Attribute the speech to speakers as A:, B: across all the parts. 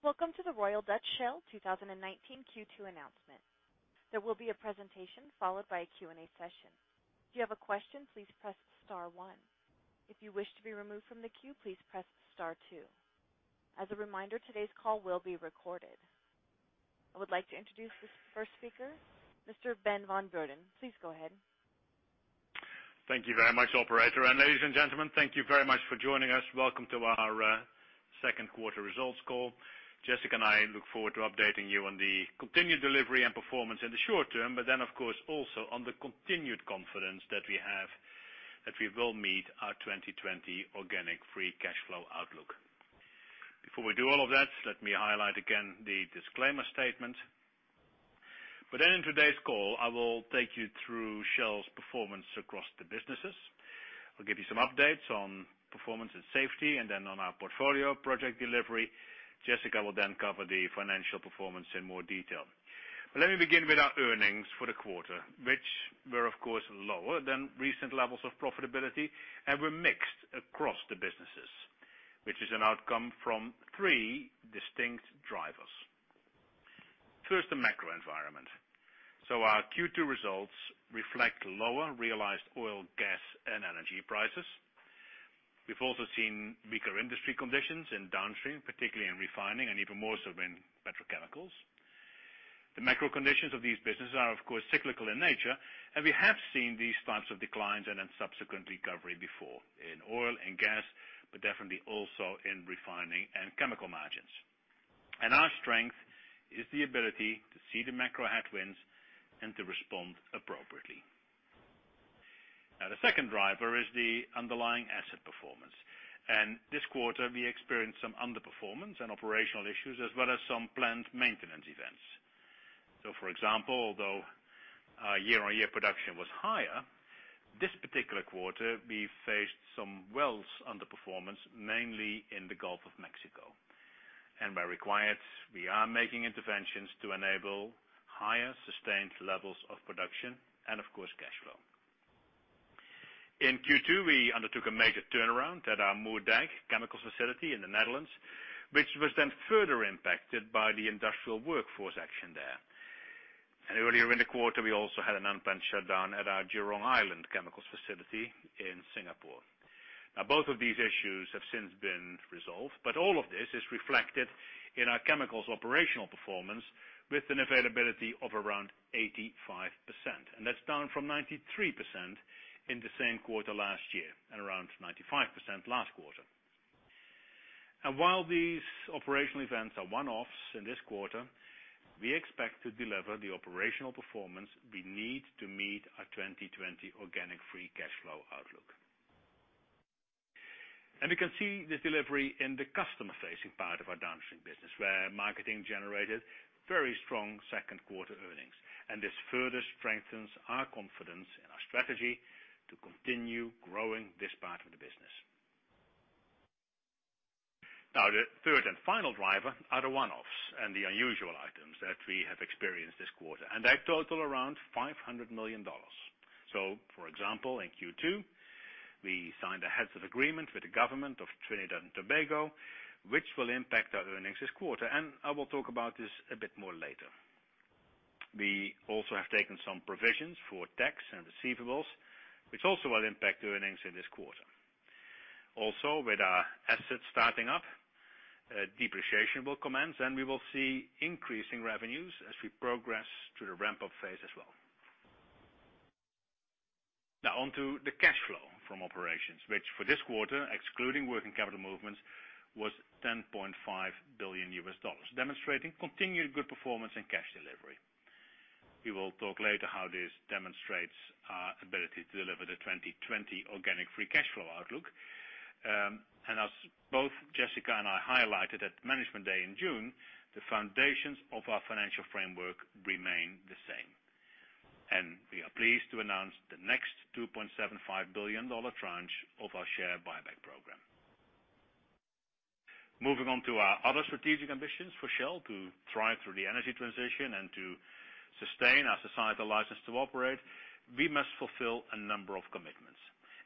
A: Welcome to the Royal Dutch Shell 2019 Q2 announcement. There will be a presentation followed by a Q&A session. If you have a question, please press star one. If you wish to be removed from the queue, please press star two. As a reminder, today's call will be recorded. I would like to introduce the first speaker, Mr. Ben van Beurden. Please go ahead.
B: Thank you very much, operator. Ladies and gentlemen, thank you very much for joining us. Welcome to our second quarter results call. Jessica and I look forward to updating you on the continued delivery and performance in the short term, but then, of course, also on the continued confidence that we have that we will meet our 2020 organic free cash flow outlook. Before we do all of that, let me highlight again the disclaimer statement. In today's call, I will take you through Shell's performance across the businesses. I'll give you some updates on performance and safety, and then on our portfolio project delivery. Jessica will then cover the financial performance in more detail. Let me begin with our earnings for the quarter, which were, of course, lower than recent levels of profitability and were mixed across the businesses, which is an outcome from three distinct drivers. First, the macro environment. Our Q2 results reflect lower realized oil, gas, and energy prices. We've also seen weaker industry conditions in Downstream, particularly in Refining and even more so in Petrochemicals. The macro conditions of these businesses are, of course, cyclical in nature, and we have seen these types of declines and then subsequent recovery before in Oil and Gas, but definitely also in Refining and chemical margins. Our strength is the ability to see the macro headwinds and to respond appropriately. The second driver is the underlying asset performance. This quarter, we experienced some underperformance and operational issues as well as some planned maintenance events. For example, although year-on-year production was higher, this particular quarter, we faced some wells underperformance, mainly in the Gulf of Mexico. Where required, we are making interventions to enable higher sustained levels of production and of course, cash flow. In Q2, we undertook a major turnaround at our Moerdijk chemicals facility in the Netherlands, which was then further impacted by the industrial workforce action there. Earlier in the quarter, we also had an unplanned shutdown at our Jurong Island chemicals facility in Singapore. Both of these issues have since been resolved, but all of this is reflected in our chemicals operational performance with an availability of around 85%. That's down from 93% in the same quarter last year, and around 95% last quarter. While these operational events are one-offs in this quarter, we expect to deliver the operational performance we need to meet our 2020 organic free cash flow outlook. We can see this delivery in the customer-facing part of our downstream business, where marketing generated very strong second quarter earnings. The third and final driver are the one-offs and the unusual items that we have experienced this quarter, and they total around $500 million. For example, in Q2, we signed a heads of agreement with the government of Trinidad and Tobago, which will impact our earnings this quarter. I will talk about this a bit more later. We also have taken some provisions for tax and receivables, which also will impact earnings in this quarter. Also, with our assets starting up, depreciation will commence, and we will see increasing revenues as we progress through the ramp-up phase as well. On to the cash flow from operations, which for this quarter, excluding working capital movements, was $10.5 billion, demonstrating continued good performance and cash delivery. We will talk later how this demonstrates our ability to deliver the 2020 organic free cash flow outlook. As both Jessica and I highlighted at Management Day in June, the foundations of our financial framework remain the same. We are pleased to announce the next $2.75 billion tranche of our share buyback program. Moving on to our other strategic ambitions for Shell to thrive through the energy transition and to sustain our societal license to operate, we must fulfill a number of commitments.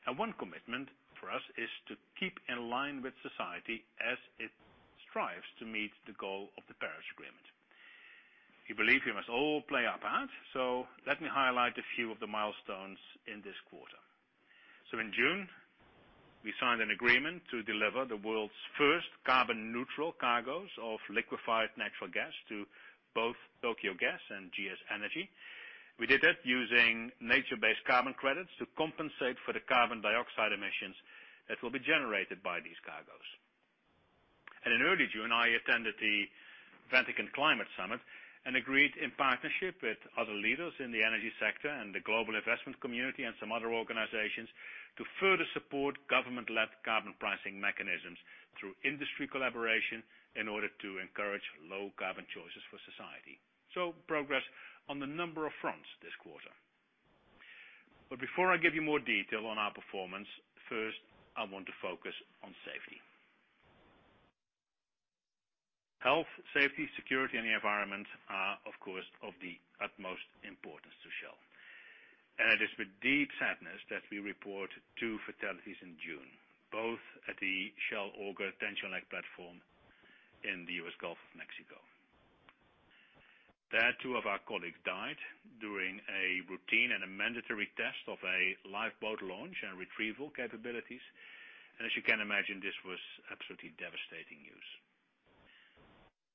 B: One commitment for us is to keep in line with society as it strives to meet the goal of the Paris Agreement. We believe we must all play our part, so let me highlight a few of the milestones in this quarter. In June, we signed an agreement to deliver the world's first carbon neutral cargos of liquefied natural gas to both Tokyo Gas and GS Energy. We did it using nature-based carbon credits to compensate for the carbon dioxide emissions that will be generated by these cargos. In early June, I attended the Vatican Climate Summit and agreed in partnership with other leaders in the energy sector and the global investment community and some other organizations to further support government-led carbon pricing mechanisms through industry collaboration in order to encourage low carbon choices for society. Progress on a number of fronts this quarter. Before I give you more detail on our performance, first, I want to focus on safety. Health, safety, security, and the environment are, of course, of the utmost importance to Shell. It is with deep sadness that we report two fatalities in June, both at the Shell Auger tension leg platform in the US Gulf of Mexico. There, two of our colleagues died during a routine and a mandatory test of a lifeboat launch and retrieval capabilities. As you can imagine, this was absolutely devastating news.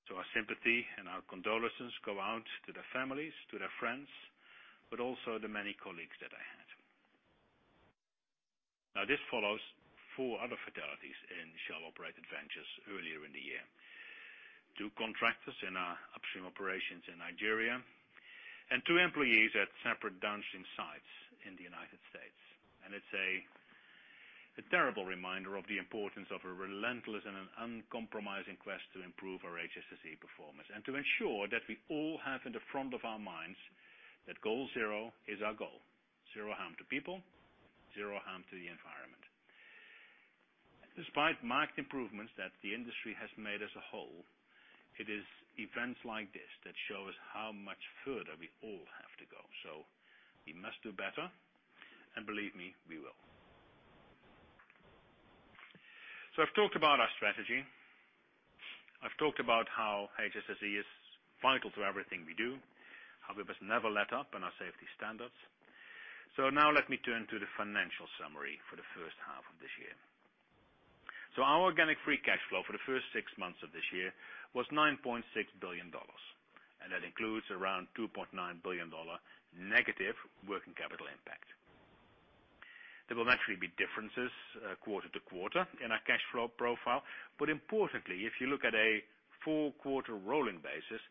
B: Our sympathy and our condolences go out to their families, to their friends, but also the many colleagues that they had. Now, this follows four other fatalities in Shell operated ventures earlier in the year. Two contractors in our upstream operations in Nigeria, and two employees at separate downstream sites in the United States. It's a terrible reminder of the importance of a relentless and an uncompromising quest to improve our HSSE performance. To ensure that we all have in the front of our minds that Goal Zero is our goal. Zero harm to people, zero harm to the environment. Despite marked improvements that the industry has made as a whole, it is events like this that show us how much further we all have to go. We must do better, and believe me, we will. I've talked about our strategy. I've talked about how HSSE is vital to everything we do, how we must never let up on our safety standards. Now let me turn to the financial summary for the first half of this year. Our organic free cash flow for the first six months of this year was $9.6 billion, and that includes around $2.9 billion negative working capital impact. There will naturally be differences quarter-to-quarter in our cash flow profile, but importantly, if you look at a four-quarter rolling basis,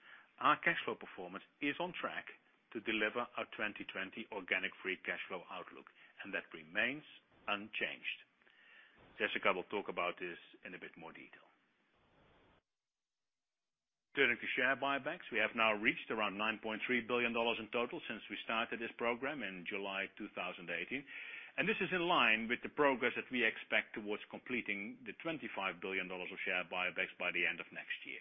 B: our cash flow performance is on track to deliver our 2020 organic free cash flow outlook, and that remains unchanged. Jessica will talk about this in a bit more detail. Turning to share buybacks, we have now reached around $9.3 billion in total since we started this program in July 2018. This is in line with the progress that we expect towards completing the $25 billion of share buybacks by the end of next year.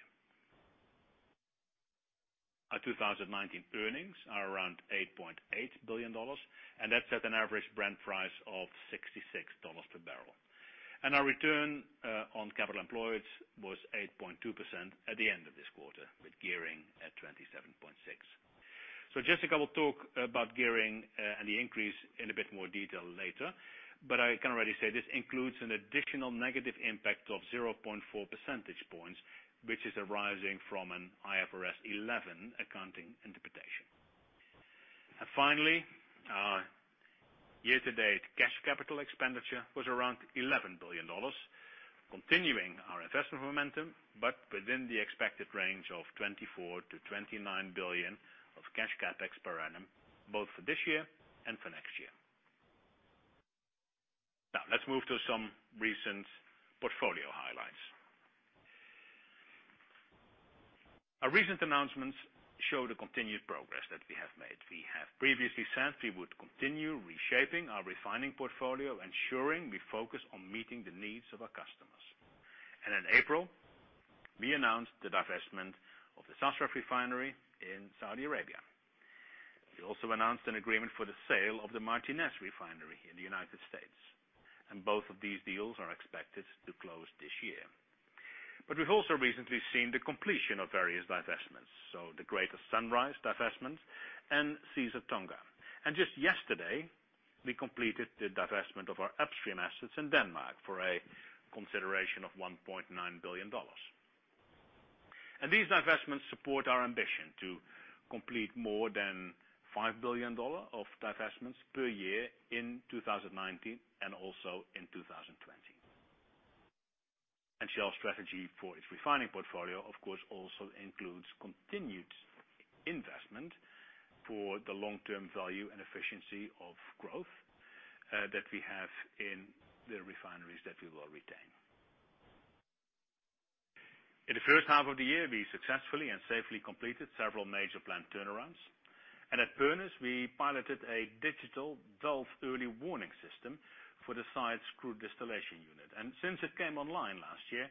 B: Our 2019 earnings are around $8.8 billion, and that's at an average Brent price of $66 per barrel. Our return on capital employed was 8.2% at the end of this quarter, with gearing at 27.6%. Jessica will talk about gearing and the increase in a bit more detail later, but I can already say this includes an additional negative impact of 0.4 percentage points, which is arising from an IFRS 11 accounting interpretation. Finally, year-to-date cash capital expenditure was around $11 billion. Continuing our investment momentum, but within the expected range of $24 billion-$29 billion of cash CapEx per annum, both for this year and for next year. Let's move to some recent portfolio highlights. Our recent announcements show the continued progress that we have made. We have previously said we would continue reshaping our refining portfolio, ensuring we focus on meeting the needs of our customers. In April, we announced the divestment of the SASREF refinery in Saudi Arabia. We also announced an agreement for the sale of the Martinez Refinery in the U.S. Both of these deals are expected to close this year. We've also recently seen the completion of various divestments, so the Greater Sunrise divestments and Caesar-Tonga. Just yesterday, we completed the divestment of our upstream assets in Denmark for a consideration of $1.9 billion. These divestments support our ambition to complete more than $5 billion of divestments per year in 2019 and also in 2020. Shell strategy for its refining portfolio, of course, also includes continued investment for the long-term value and efficiency of growth, that we have in the refineries that we will retain. In the first half of the year, we successfully and safely completed several major planned turnarounds. At Pernis, we piloted a digital DELF early warning system for the site crude distillation unit. Since it came online last year,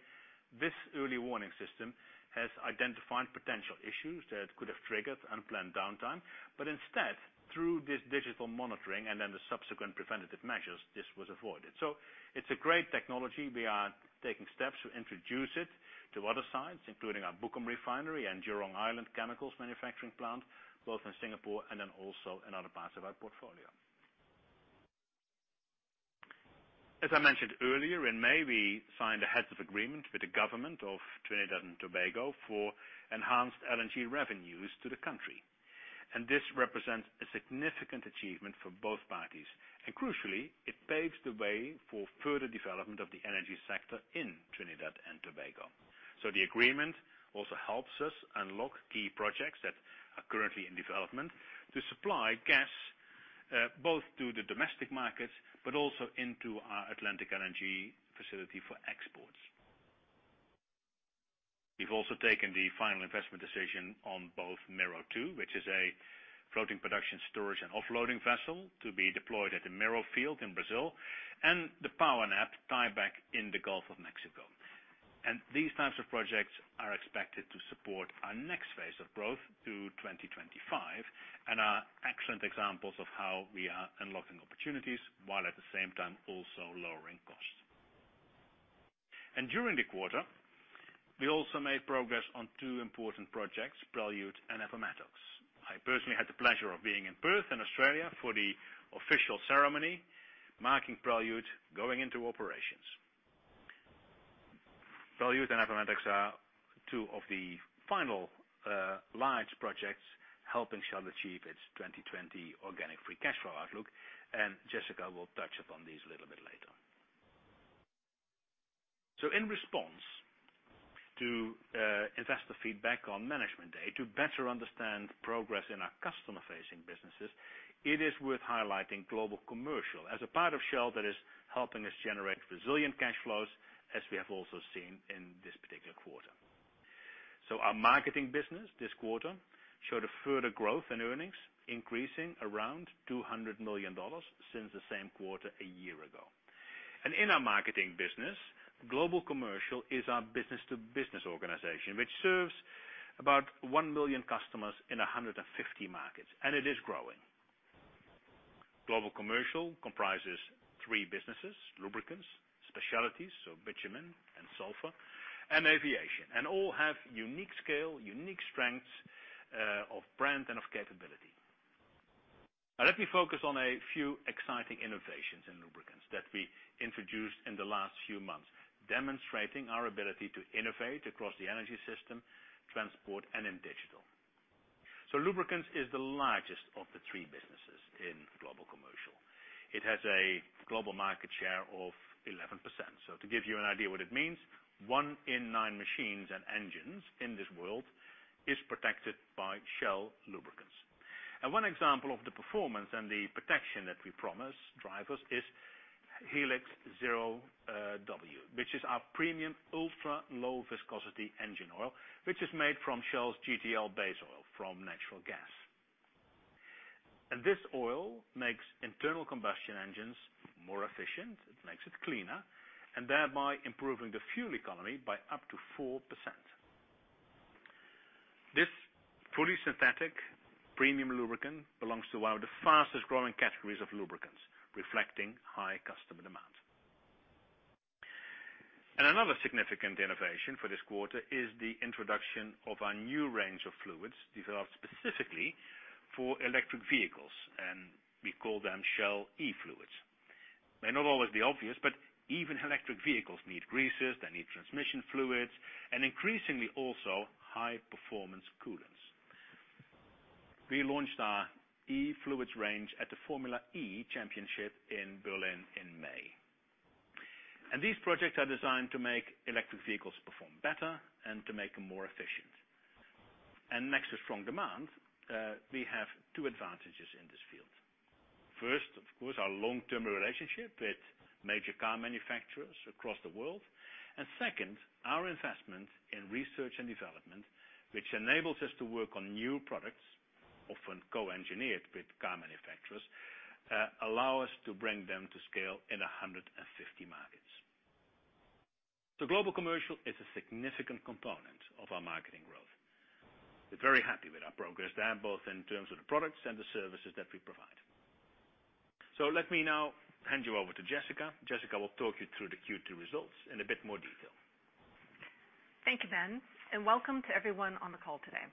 B: this early warning system has identified potential issues that could have triggered unplanned downtime. Instead, through this digital monitoring and then the subsequent preventative measures, this was avoided. It's a great technology. We are taking steps to introduce it to other sites, including our Bukom Refinery and Jurong Island Chemicals manufacturing plant, both in Singapore and then also in other parts of our portfolio. As I mentioned earlier, in May, we signed a heads of agreement with the government of Trinidad and Tobago for enhanced LNG revenues to the country. This represents a significant achievement for both parties. Crucially, it paves the way for further development of the energy sector in Trinidad and Tobago. The agreement also helps us unlock key projects that are currently in development to supply gas, both to the domestic markets, but also into our Atlantic LNG facility for exports. We've also taken the final investment decision on both Mero-2, which is a Floating production storage and offloading vessel to be deployed at the Mero field in Brazil, and the PowerNap tieback in the Gulf of Mexico. These types of projects are expected to support our next phase of growth to 2025 and are excellent examples of how we are unlocking opportunities while at the same time also lowering costs. During the quarter, we also made progress on two important projects, Prelude and Aphrodite. I personally had the pleasure of being in Perth in Australia for the official ceremony marking Prelude going into operations. Prelude and Aphrodite are two of the final large projects helping Shell achieve its 2020 organic free cash flow outlook, and Jessica will touch upon these a little bit later. In response to investor feedback on Management Day to better understand progress in our customer-facing businesses, it is worth highlighting Global Commercial as a part of Shell that is helping us generate resilient cash flows, as we have also seen in this particular quarter. Our marketing business this quarter showed a further growth in earnings, increasing around $200 million since the same quarter a year ago. In our marketing business, Global Commercial is our business-to-business organization, which serves about one million customers in 150 markets, and it is growing. Global Commercial comprises three businesses, lubricants, specialties, so bitumen and sulfur, and aviation. All have unique scale, unique strengths of brand, and of capability. Let me focus on a few exciting innovations in lubricants that we introduced in the last few months, demonstrating our ability to innovate across the energy system, transport, and in digital. Lubricants is the largest of the three businesses in Global Commercial. It has a global market share of 11%. To give you an idea what it means, one in nine machines and engines in this world is protected by Shell lubricants. One example of the performance and the protection that we promise drivers is Helix 0W, which is our premium ultra-low viscosity engine oil, which is made from Shell's GTL base oil from natural gas. This oil makes internal combustion engines more efficient. It makes it cleaner and thereby improving the fuel economy by up to 4%. This fully synthetic premium lubricant belongs to one of the fastest-growing categories of lubricants, reflecting high customer demand. Another significant innovation for this quarter is the introduction of our new range of fluids developed specifically for electric vehicles, and we call them Shell e-Fluids. They're not always the obvious, but even electric vehicles need greases, they need transmission fluids, and increasingly also high-performance coolants. We launched our e-Fluids range at the Formula E Championship in Berlin in May. These projects are designed to make electric vehicles perform better and to make them more efficient. Next to strong demand, we have two advantages in this field. First, of course, our long-term relationship with major car manufacturers across the world. Second, our investment in research and development, which enables us to work on new products, often co-engineered with car manufacturers, allow us to bring them to scale in 150 markets. Global Commercial is a significant component of our marketing growth. We're very happy with our progress there, both in terms of the products and the services that we provide. Let me now hand you over to Jessica. Jessica will talk you through the Q2 results in a bit more detail.
C: Thank you, Ben, and welcome to everyone on the call today.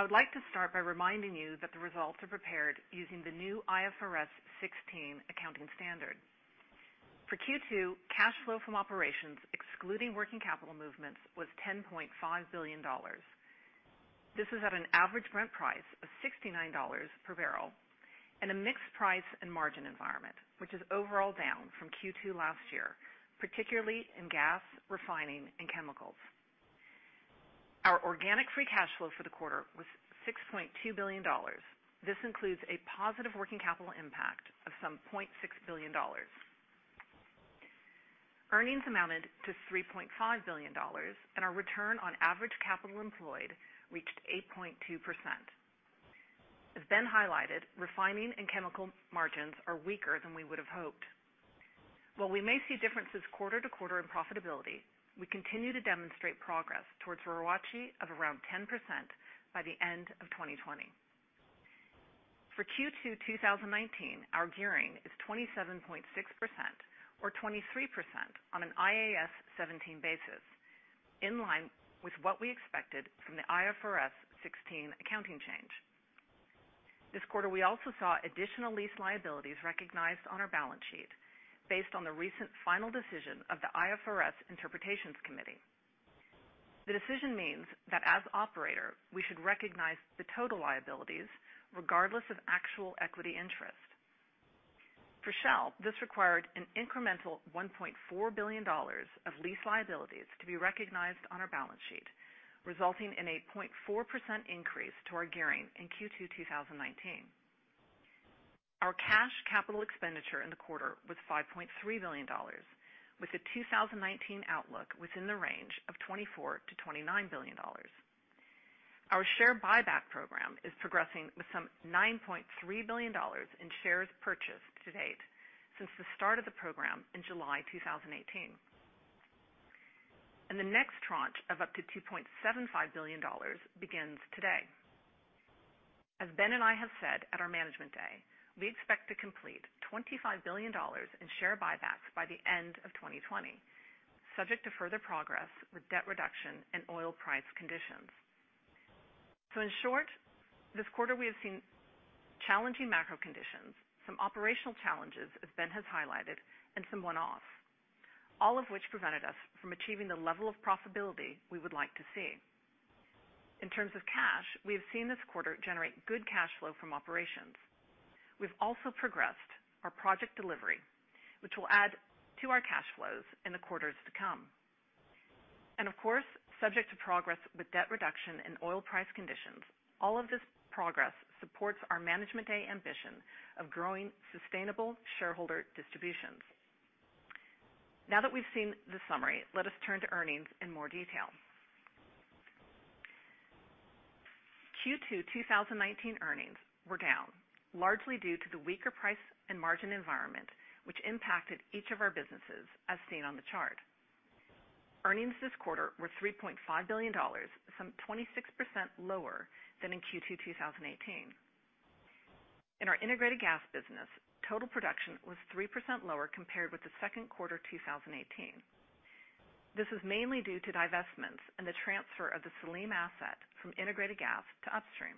C: I would like to start by reminding you that the results are prepared using the new IFRS 16 accounting standard. For Q2, cash flow from operations, excluding working capital movements, was $10.5 billion. This is at an average Brent price of $69 per barrel and a mixed price and margin environment, which is overall down from Q2 last year, particularly in gas, refining, and chemicals. Our organic free cash flow for the quarter was $6.2 billion. This includes a positive working capital impact of some $0.6 billion. Earnings amounted to $3.5 billion, and our return on average capital employed reached 8.2%. As Ben highlighted, refining and chemical margins are weaker than we would have hoped. While we may see differences quarter-to-quarter in profitability, we continue to demonstrate progress towards ROACE of around 10% by the end of 2020. For Q2 2019, our gearing is 27.6%, or 23% on an IAS 17 basis, in line with what we expected from the IFRS 16 accounting change. This quarter, we also saw additional lease liabilities recognized on our balance sheet based on the recent final decision of the IFRS Interpretations Committee. The decision means that as operator, we should recognize the total liabilities regardless of actual equity interest. For Shell, this required an incremental $1.4 billion of lease liabilities to be recognized on our balance sheet, resulting in a 0.4% increase to our gearing in Q2 2019. Our cash capital expenditure in the quarter was $5.3 billion, with a 2019 outlook within the range of $24 billion-$29 billion. Our share buyback program is progressing with some $9.3 billion in shares purchased to date since the start of the program in July 2018. The next tranche of up to $2.75 billion begins today. As Ben and I have said at our Management Day, we expect to complete $25 billion in share buybacks by the end of 2020, subject to further progress with debt reduction and oil price conditions. In short, this quarter we have seen challenging macro conditions, some operational challenges as Ben has highlighted, and some one-offs, all of which prevented us from achieving the level of profitability we would like to see. In terms of cash, we have seen this quarter generate good cash flow from operations. We've also progressed our project delivery, which will add to our cash flows in the quarters to come. Of course, subject to progress with debt reduction and oil price conditions, all of this progress supports our Management Day ambition of growing sustainable shareholder distributions. Now that we've seen the summary, let us turn to earnings in more detail. Q2 2019 earnings were down, largely due to the weaker price and margin environment, which impacted each of our businesses as seen on the chart. Earnings this quarter were $3.5 billion, some 26% lower than in Q2 2018. In our integrated gas business, total production was 3% lower compared with the second quarter 2018. This was mainly due to divestments and the transfer of the Salym asset from integrated gas to upstream.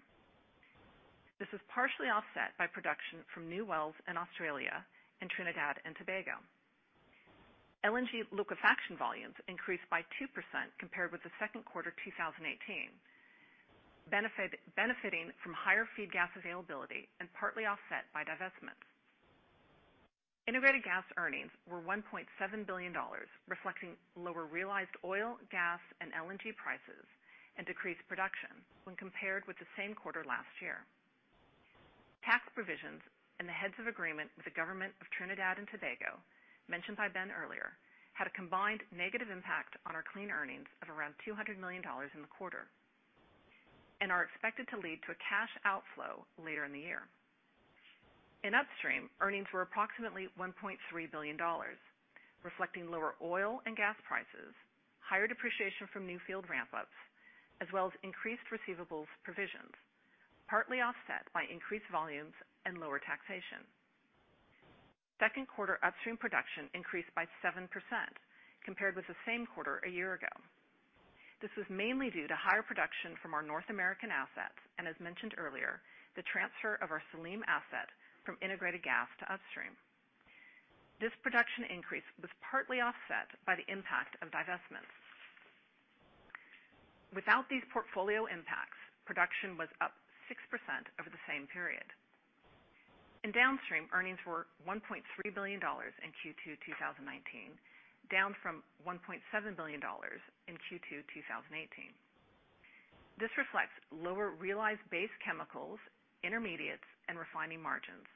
C: This was partially offset by production from new wells in Australia and Trinidad and Tobago. LNG liquefaction volumes increased by 2% compared with the second quarter 2018, benefiting from higher feed gas availability and partly offset by divestments. Integrated gas earnings were $1.7 billion, reflecting lower realized oil, gas, and LNG prices, and decreased production when compared with the same quarter last year. Tax provisions and the heads of agreement with the government of Trinidad and Tobago, mentioned by Ben earlier, had a combined negative impact on our clean earnings of around $200 million in the quarter and are expected to lead to a cash outflow later in the year. In upstream, earnings were approximately $1.3 billion, reflecting lower oil and gas prices, higher depreciation from new field ramp-ups, as well as increased receivables provisions, partly offset by increased volumes and lower taxation. Second quarter upstream production increased by 7% compared with the same quarter a year ago. This was mainly due to higher production from our North American assets, and as mentioned earlier, the transfer of our Salym asset from Integrated Gas to Upstream. This production increase was partly offset by the impact of divestments. Without these portfolio impacts, production was up 6% over the same period. In Downstream, earnings were $1.3 billion in Q2 2019, down from $1.7 billion in Q2 2018. This reflects lower realized base chemicals, intermediates, and refining margins,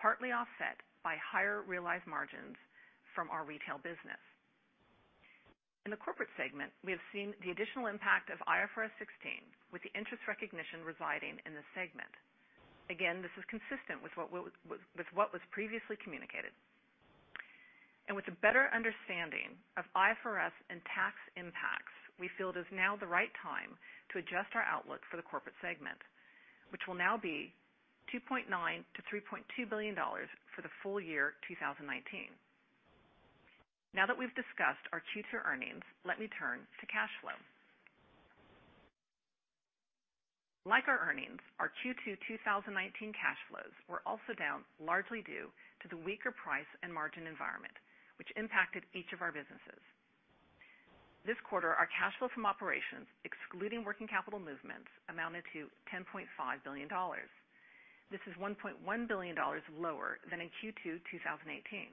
C: partly offset by higher realized margins from our retail business. In the Corporate segment, we have seen the additional impact of IFRS 16, with the interest recognition residing in the segment. Again, this is consistent with what was previously communicated. With a better understanding of IFRS and tax impacts, we feel it is now the right time to adjust our outlook for the corporate segment, which will now be $2.9 billion-$3.2 billion for the full year 2019. Now that we've discussed our Q2 earnings, let me turn to cash flow. Like our earnings, our Q2 2019 cash flows were also down, largely due to the weaker price and margin environment, which impacted each of our businesses. This quarter, our cash flow from operations, excluding working capital movements, amounted to $10.5 billion. This is $1.1 billion lower than in Q2 2018.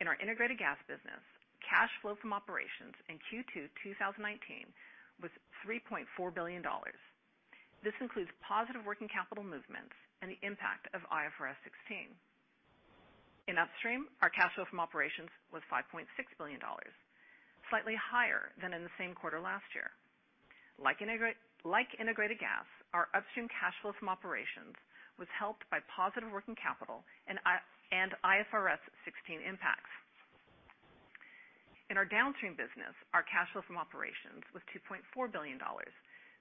C: In our integrated gas business, cash flow from operations in Q2 2019 was $3.4 billion. This includes positive working capital movements and the impact of IFRS 16. In upstream, our cash flow from operations was $5.6 billion, slightly higher than in the same quarter last year. Like integrated gas, our upstream cash flow from operations was helped by positive working capital and IFRS 16 impacts. In our downstream business, our cash flow from operations was $2.4 billion,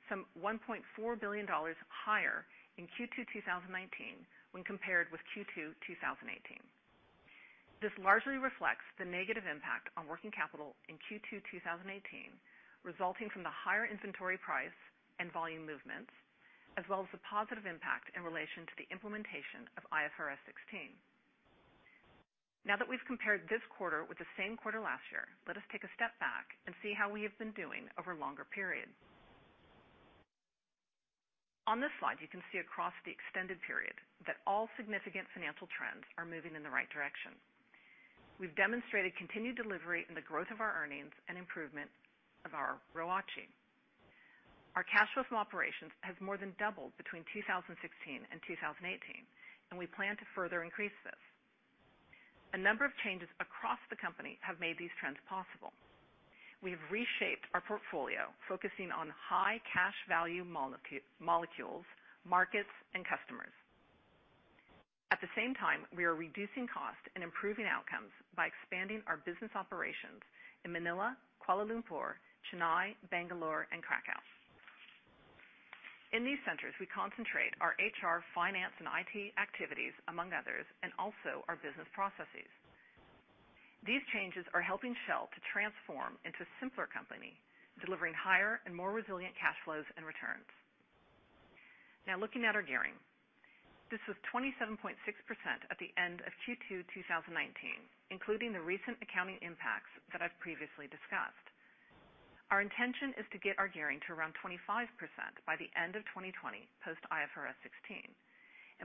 C: some $1.4 billion higher in Q2 2019 when compared with Q2 2018. This largely reflects the negative impact on working capital in Q2 2018, resulting from the higher inventory price and volume movements, as well as the positive impact in relation to the implementation of IFRS 16. Now that we've compared this quarter with the same quarter last year, let us take a step back and see how we have been doing over longer periods. On this slide, you can see across the extended period that all significant financial trends are moving in the right direction. We've demonstrated continued delivery in the growth of our earnings and improvement of our ROACE. Our cash flow from operations has more than doubled between 2016 and 2018. We plan to further increase this. A number of changes across the company have made these trends possible. We have reshaped our portfolio focusing on high cash value molecules, markets, and customers. At the same time, we are reducing cost and improving outcomes by expanding our business operations in Manila, Kuala Lumpur, Chennai, Bangalore, and Krakow. In these centers, we concentrate our HR, finance, and IT activities, among others, and also our business processes. These changes are helping Shell to transform into a simpler company, delivering higher and more resilient cash flows and returns. Looking at our gearing. This was 27.6% at the end of Q2 2019, including the recent accounting impacts that I've previously discussed. Our intention is to get our gearing to around 25% by the end of 2020, post IFRS 16.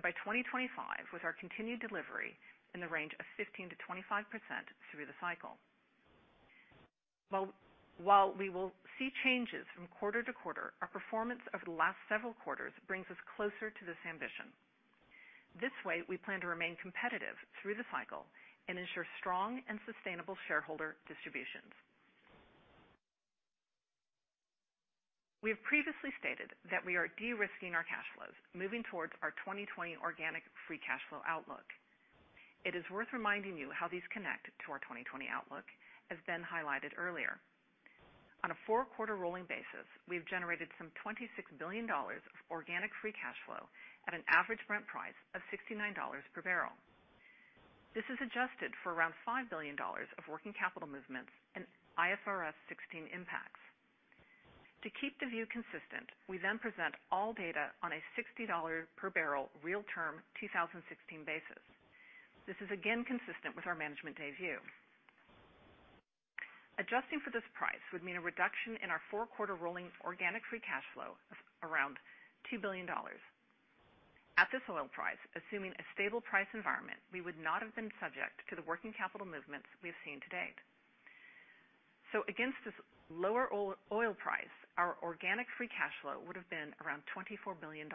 C: By 2025, with our continued delivery in the range of 15%-25% through the cycle. While we will see changes from quarter to quarter, our performance over the last several quarters brings us closer to this ambition. This way, we plan to remain competitive through the cycle and ensure strong and sustainable shareholder distributions. We have previously stated that we are de-risking our cash flows, moving towards our 2020 organic free cash flow outlook. It is worth reminding you how these connect to our 2020 outlook, as Ben highlighted earlier. On a four-quarter rolling basis, we've generated some $26 billion of organic free cash flow at an average Brent price of $69 per barrel. This is adjusted for around $5 billion of working capital movements and IFRS 16 impacts. To keep the view consistent, we then present all data on a $60 per barrel real-term 2016 basis. This is again consistent with our Management Day view. Adjusting for this price would mean a reduction in our four-quarter rolling organic free cash flow of around $2 billion. At this oil price, assuming a stable price environment, we would not have been subject to the working capital movements we have seen to date. Against this lower oil price, our organic free cash flow would have been around $24 billion.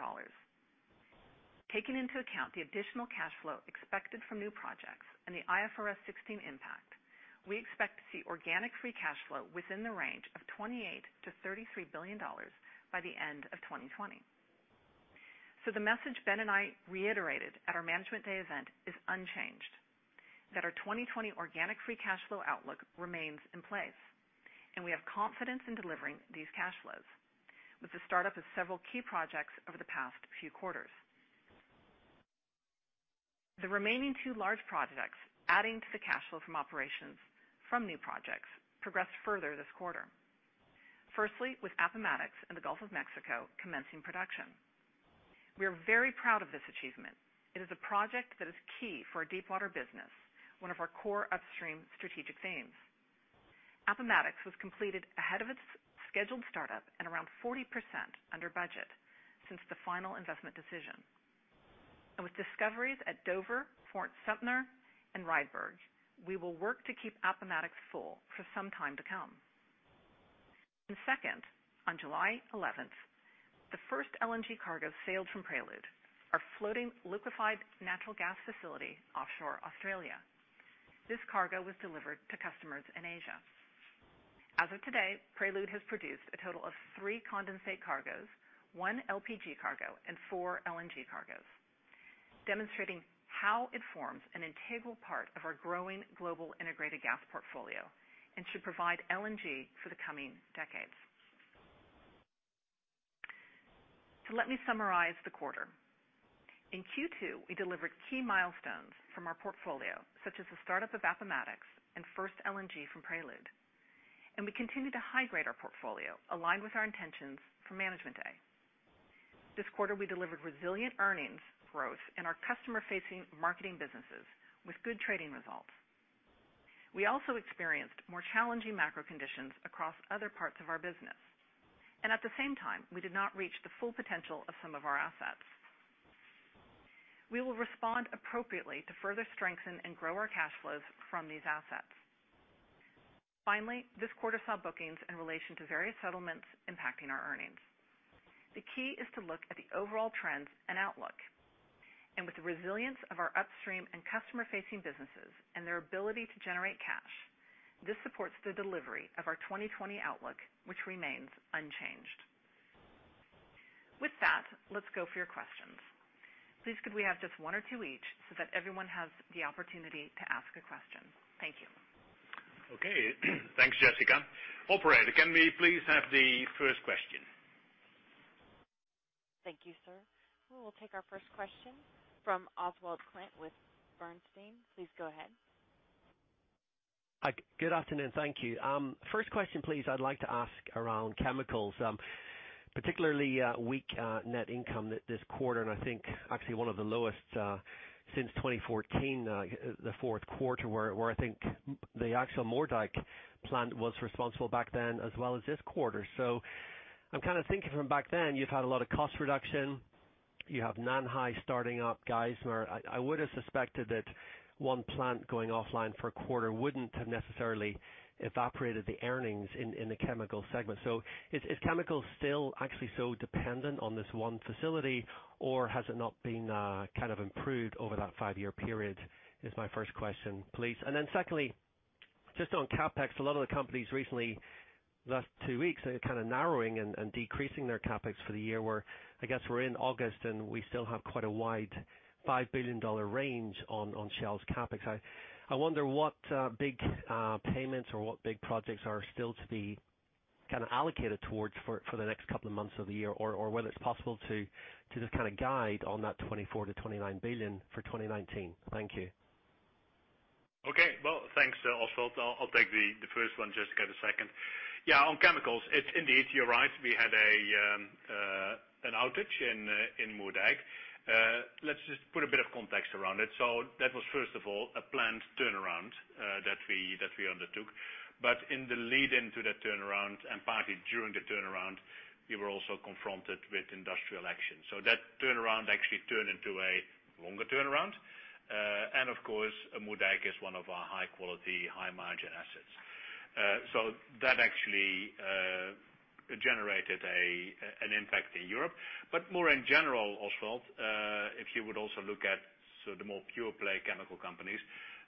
C: Taking into account the additional cash flow expected from new projects and the IFRS 16 impact, we expect to see organic free cash flow within the range of $28 billion-$33 billion by the end of 2020. The message Ben and I reiterated at our Management Day event is unchanged, that our 2020 organic free cash flow outlook remains in place, and we have confidence in delivering these cash flows with the startup of several key projects over the past few quarters. The remaining two large projects adding to the cash flow from operations from new projects progressed further this quarter. Firstly, with Appomattox and the Gulf of Mexico commencing production. We are very proud of this achievement. It is a project that is key for our deepwater business, one of our core upstream strategic themes. Appomattox was completed ahead of its scheduled startup and around 40% under budget since the final investment decision. With discoveries at Dover, Fort Sumter, and Rydberg, we will work to keep Appomattox full for some time to come. Second, on July 11th, the first LNG cargo sailed from Prelude, our floating liquefied natural gas facility offshore Australia. This cargo was delivered to customers in Asia. As of today, Prelude has produced a total of three condensate cargoes, one LPG cargo, and four LNG cargoes, demonstrating how it forms an integral part of our growing global integrated gas portfolio and should provide LNG for the coming decades. Let me summarize the quarter. In Q2, we delivered key milestones from our portfolio, such as the startup of Appomattox and first LNG from Prelude. We continued to high-grade our portfolio, aligned with our intentions for Management Day. This quarter, we delivered resilient earnings growth in our customer-facing marketing businesses with good trading results. We also experienced more challenging macro conditions across other parts of our business. At the same time, we did not reach the full potential of some of our assets. We will respond appropriately to further strengthen and grow our cash flows from these assets. Finally, this quarter saw bookings in relation to various settlements impacting our earnings. The key is to look at the overall trends and outlook. With the resilience of our upstream and customer-facing businesses and their ability to generate cash, this supports the delivery of our 2020 outlook, which remains unchanged. With that, let's go for your questions. Please, could we have just one or two each so that everyone has the opportunity to ask a question? Thank you.
B: Okay. Thanks, Jessica. Operator, can we please have the first question?
A: Thank you, sir. We will take our first question from Oswald Clint with Bernstein. Please go ahead.
D: Hi. Good afternoon. Thank you. First question, please, I'd like to ask around chemicals, particularly weak net income this quarter, and I think actually one of the lowest since 2014, the fourth quarter, where I think the actual Moerdijk plant was responsible back then as well as this quarter. I'm kind of thinking from back then, you've had a lot of cost reduction. You have Nanhai starting up, Geismar. I would have suspected that one plant going offline for a quarter wouldn't have necessarily evaporated the earnings in the chemical segment. Is chemical still actually so dependent on this one facility, or has it not been improved over that five-year period, is my first question, please. Secondly, just on CapEx, a lot of the companies recently, the last two weeks, are narrowing and decreasing their CapEx for the year, where I guess we're in August, and we still have quite a wide $5 billion range on Shell's CapEx. I wonder what big payments or what big projects are still to be allocated towards for the next couple of months of the year or whether it's possible to just guide on that $24 billion-$29 billion for 2019. Thank you.
B: Okay. Well, thanks, Oswald. I'll take the first one, Jessica, the second. Yeah, on chemicals, indeed, you're right. We had an outage in Moerdijk. Let's just put a bit of context around it. That was, first of all, a planned turnaround that we undertook. In the lead into that turnaround and partly during the turnaround, we were also confronted with industrial action. That turnaround actually turned into a longer turnaround. Of course, Moerdijk is one of our high-quality, high-margin assets. That actually generated an impact in Europe. More in general, Oswald, if you would also look at the more pure play chemical companies,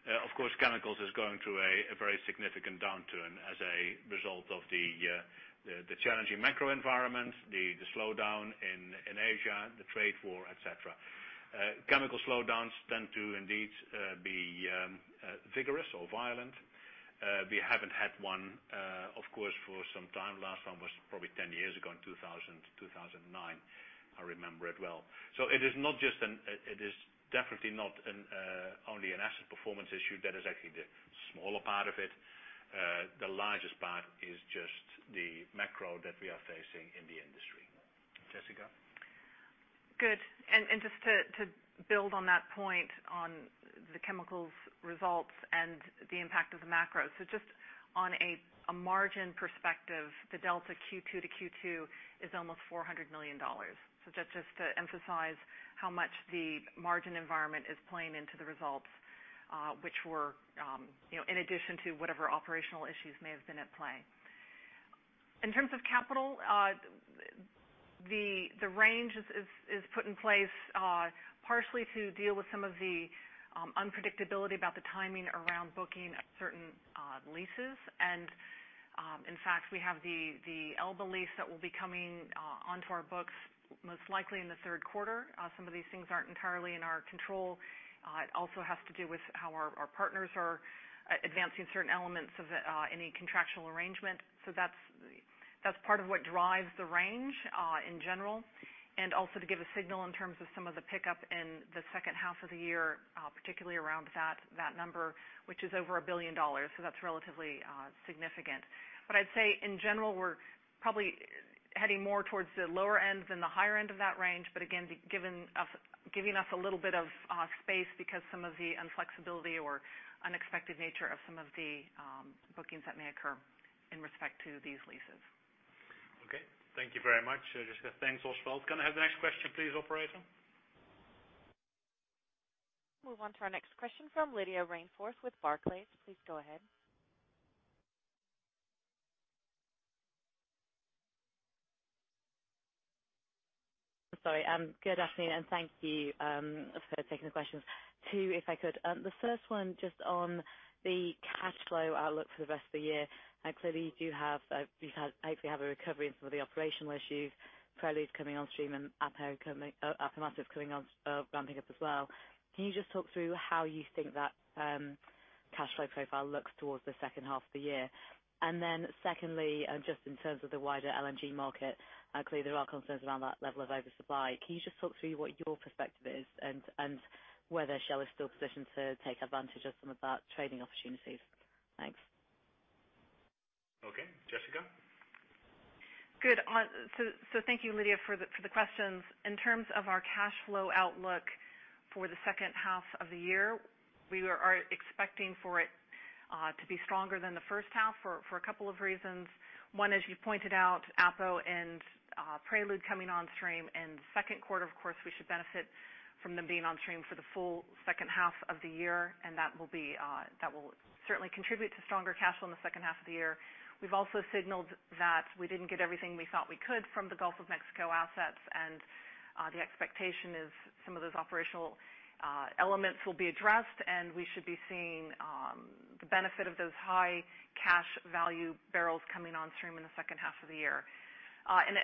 B: of course, chemicals is going through a very significant downturn as a result of the challenging macro environment, the slowdown in Asia, the trade war, et cetera. Chemical slowdowns tend to indeed be vigorous or violent. We haven't had one, of course, for some time. Last time was probably 10 years ago in 2009. I remember it well. It is definitely not only an asset performance issue. That is actually the smaller part of it. The largest part is just the macro that we are facing in the industry. Jessica?
C: Good. Just to build on that point on the chemicals results and the impact of the macro. Just on a margin perspective, the delta Q2-Q2 is almost $400 million. Just to emphasize how much the margin environment is playing into the results, which were in addition to whatever operational issues may have been at play. In terms of capital, the range is put in place partially to deal with some of the unpredictability about the timing around booking certain leases. In fact, we have the Elba lease that will be coming onto our books most likely in the third quarter. Some of these things aren't entirely in our control. It also has to do with how our partners are advancing certain elements of any contractual arrangement. That's part of what drives the range in general, and also to give a signal in terms of some of the pickup in the second half of the year, particularly around that number, which is over $1 billion. That's relatively significant. I'd say in general, we're probably heading more towards the lower end than the higher end of that range, but again, giving us a little bit of space because some of the inflexibility or unexpected nature of some of the bookings that may occur in respect to these leases.
B: Okay. Thank you very much, Jessica. Thanks, Oswald. Can I have the next question please, operator?
A: Move on to our next question from Lydia Rainforth with Barclays. Please go ahead.
E: Sorry. Good afternoon. Thank you for taking the questions. Two, if I could. The first one, just on the cash flow outlook for the rest of the year. Clearly, you hopefully have a recovery in some of the operational issues. Prelude's coming on stream and Appomattox is ramping up as well. Can you just talk through how you think that cash flow profile looks towards the second half of the year? Secondly, just in terms of the wider LNG market, clearly there are concerns around that level of oversupply. Can you just talk through what your perspective is and whether Shell is still positioned to take advantage of some of that trading opportunities? Thanks.
B: Okay. Jessica?
C: Good. Thank you, Lydia, for the questions. In terms of our cash flow outlook for the second half of the year, we are expecting for it to be stronger than the first half for a couple of reasons. One, as you pointed out, Apo and Prelude coming on stream. In the second quarter, of course, we should benefit from them being on stream for the full second half of the year, and that will certainly contribute to stronger cash flow in the second half of the year. We've also signaled that we didn't get everything we thought we could from the Gulf of Mexico assets, and the expectation is some of those operational elements will be addressed, and we should be seeing the benefit of those high cash value barrels coming on stream in the second half of the year.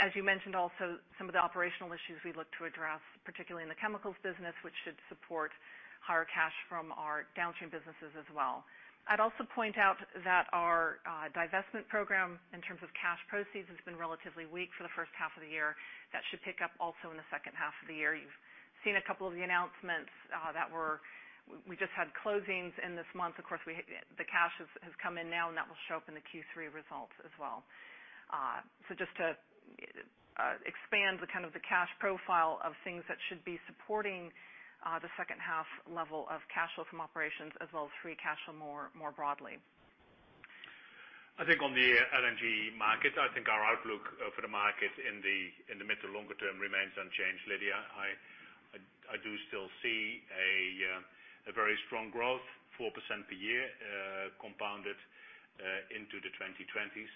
C: As you mentioned also, some of the operational issues we look to address, particularly in the chemicals business, which should support higher cash from our downstream businesses as well. I'd also point out that our divestment program in terms of cash proceeds has been relatively weak for the first half of the year. That should pick up also in the second half of the year. You've seen a couple of the announcements that we just had closings in this month. Of course, the cash has come in now, and that will show up in the Q3 results as well. Just to expand the cash profile of things that should be supporting the second half level of cash flow from operations as well as free cash flow more broadly.
B: I think on the LNG market, our outlook for the market in the mid to longer term remains unchanged, Lydia. I do still see a very strong growth, 4% per year, compounded into the 2020s.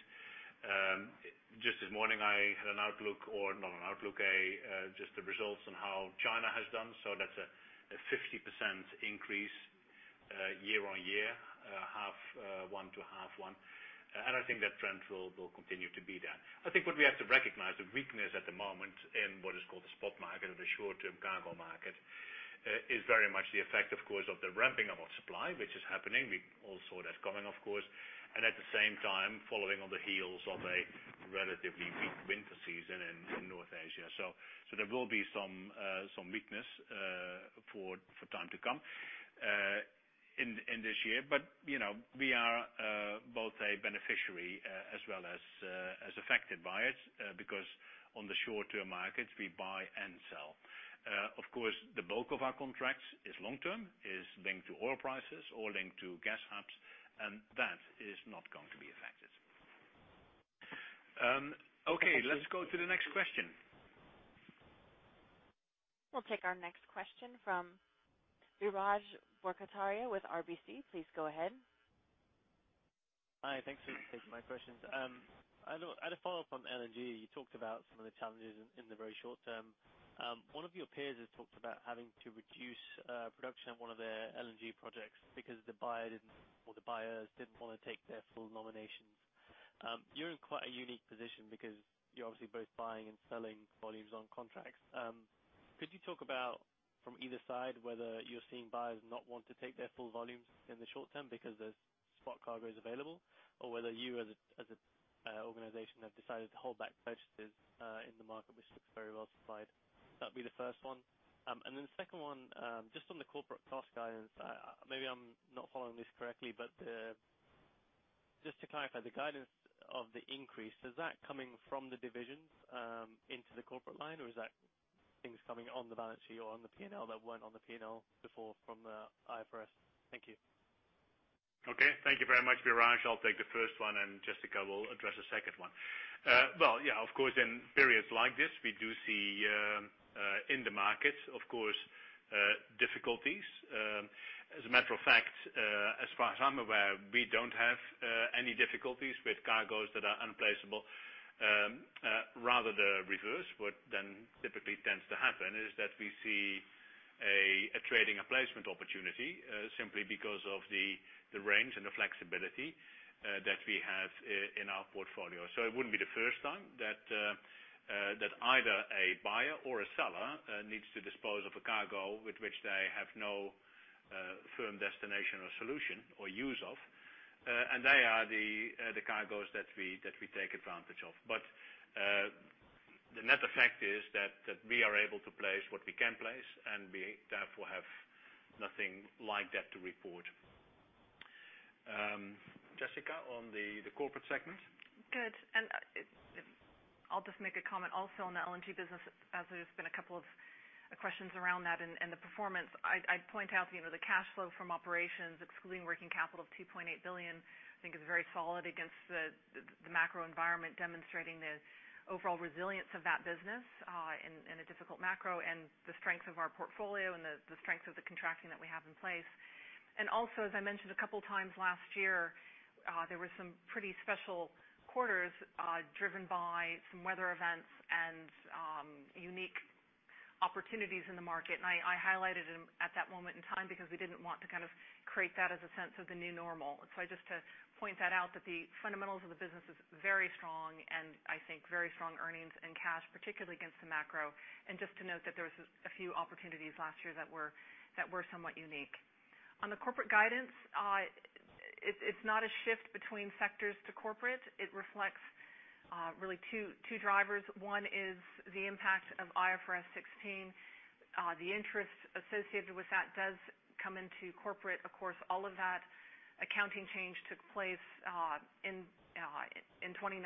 B: Just this morning, I had an outlook, or not an outlook, just the results on how China has done. That's a 50% increase year-on-year, half one to half one. I think that trend will continue to be there. I think what we have to recognize, the weakness at the moment in what is called the spot market or the short-term cargo market, is very much the effect, of course, of the ramping of our supply, which is happening. We all saw that coming, of course, and at the same time, following on the heels of a relatively weak winter season in North Asia. There will be some weakness for time to come in this year. We are both a beneficiary as well as affected by it, because on the short-term markets, we buy and sell. Of course, the bulk of our contracts is long-term, is linked to oil prices or linked to gas hubs, and that is not going to be affected. Okay, let's go to the next question.
A: We'll take our next question from Biraj Borkhataria with RBC. Please go ahead.
F: Hi. Thanks for taking my questions. As a follow-up on LNG, you talked about some of the challenges in the very short term. One of your peers has talked about having to reduce production at one of their LNG projects because the buyer didn't, or the buyers didn't want to take their full nominations. You're in quite a unique position because you're obviously both buying and selling volumes on contracts. Could you talk about from either side, whether you're seeing buyers not want to take their full volumes in the short term because there's spot cargoes available, or whether you as an organization have decided to hold back purchases in the market, which looks very well supplied? That'd be the first one. The second one, just on the corporate cost guidance, maybe I'm not following this correctly, but just to clarify the guidance of the increase, is that coming from the divisions into the corporate line, or is that things coming on the balance sheet or on the P&L that weren't on the P&L before from the IFRS? Thank you.
B: Okay. Thank you very much, Biraj. I'll take the first one, and Jessica will address the second one. Well, yeah, of course, in periods like this, we do see in the markets, of course, difficulties. As a matter of fact, as far as I'm aware, we don't have any difficulties with cargoes that are unplaceable, rather the reverse. What then typically tends to happen is that we see a trading and placement opportunity simply because of the range and the flexibility that we have in our portfolio. It wouldn't be the first time that either a buyer or a seller needs to dispose of a cargo with which they have no firm destination or solution or use of. They are the cargoes that we take advantage of. The net effect is that we are able to place what we can place, and we therefore have nothing like that to report. Jessica, on the corporate segment?
C: Good. I'll just make a comment also on the LNG business, as there's been a couple of questions around that and the performance. I'd point out the cash flow from operations, excluding working capital of $2.8 billion, I think is very solid against the macro environment, demonstrating the overall resilience of that business in a difficult macro and the strength of our portfolio and the strength of the contracting that we have in place. Also, as I mentioned a couple of times last year, there were some pretty special quarters driven by some weather events and unique opportunities in the market. I highlighted them at that moment in time because we didn't want to create that as a sense of the new normal. Just to point that out, that the fundamentals of the business is very strong, and I think very strong earnings and cash, particularly against the macro. Just to note that there was a few opportunities last year that were somewhat unique. On the corporate guidance, it's not a shift between sectors to corporate. It reflects really two drivers. One is the impact of IFRS 16. The interest associated with that does come into corporate. Of course, all of that accounting change took place in 2019,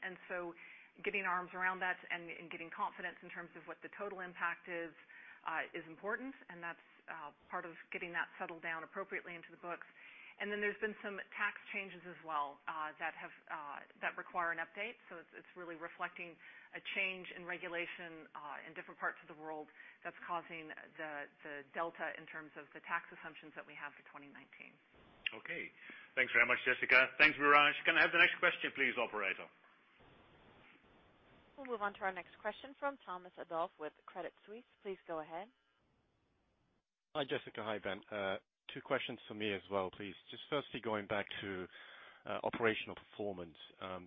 C: and so getting our arms around that and getting confidence in terms of what the total impact is important, and that's part of getting that settled down appropriately into the books. Then there's been some tax changes as well that require an update. It's really reflecting a change in regulation in different parts of the world that's causing the delta in terms of the tax assumptions that we have for 2019.
B: Okay. Thanks very much, Jessica. Thanks, Biraj. Can I have the next question please, operator?
A: We'll move on to our next question from Thomas Adolff with Credit Suisse. Please go ahead.
G: Hi, Jessica. Hi, Ben. Two questions from me as well, please. Just firstly, going back to operational performance.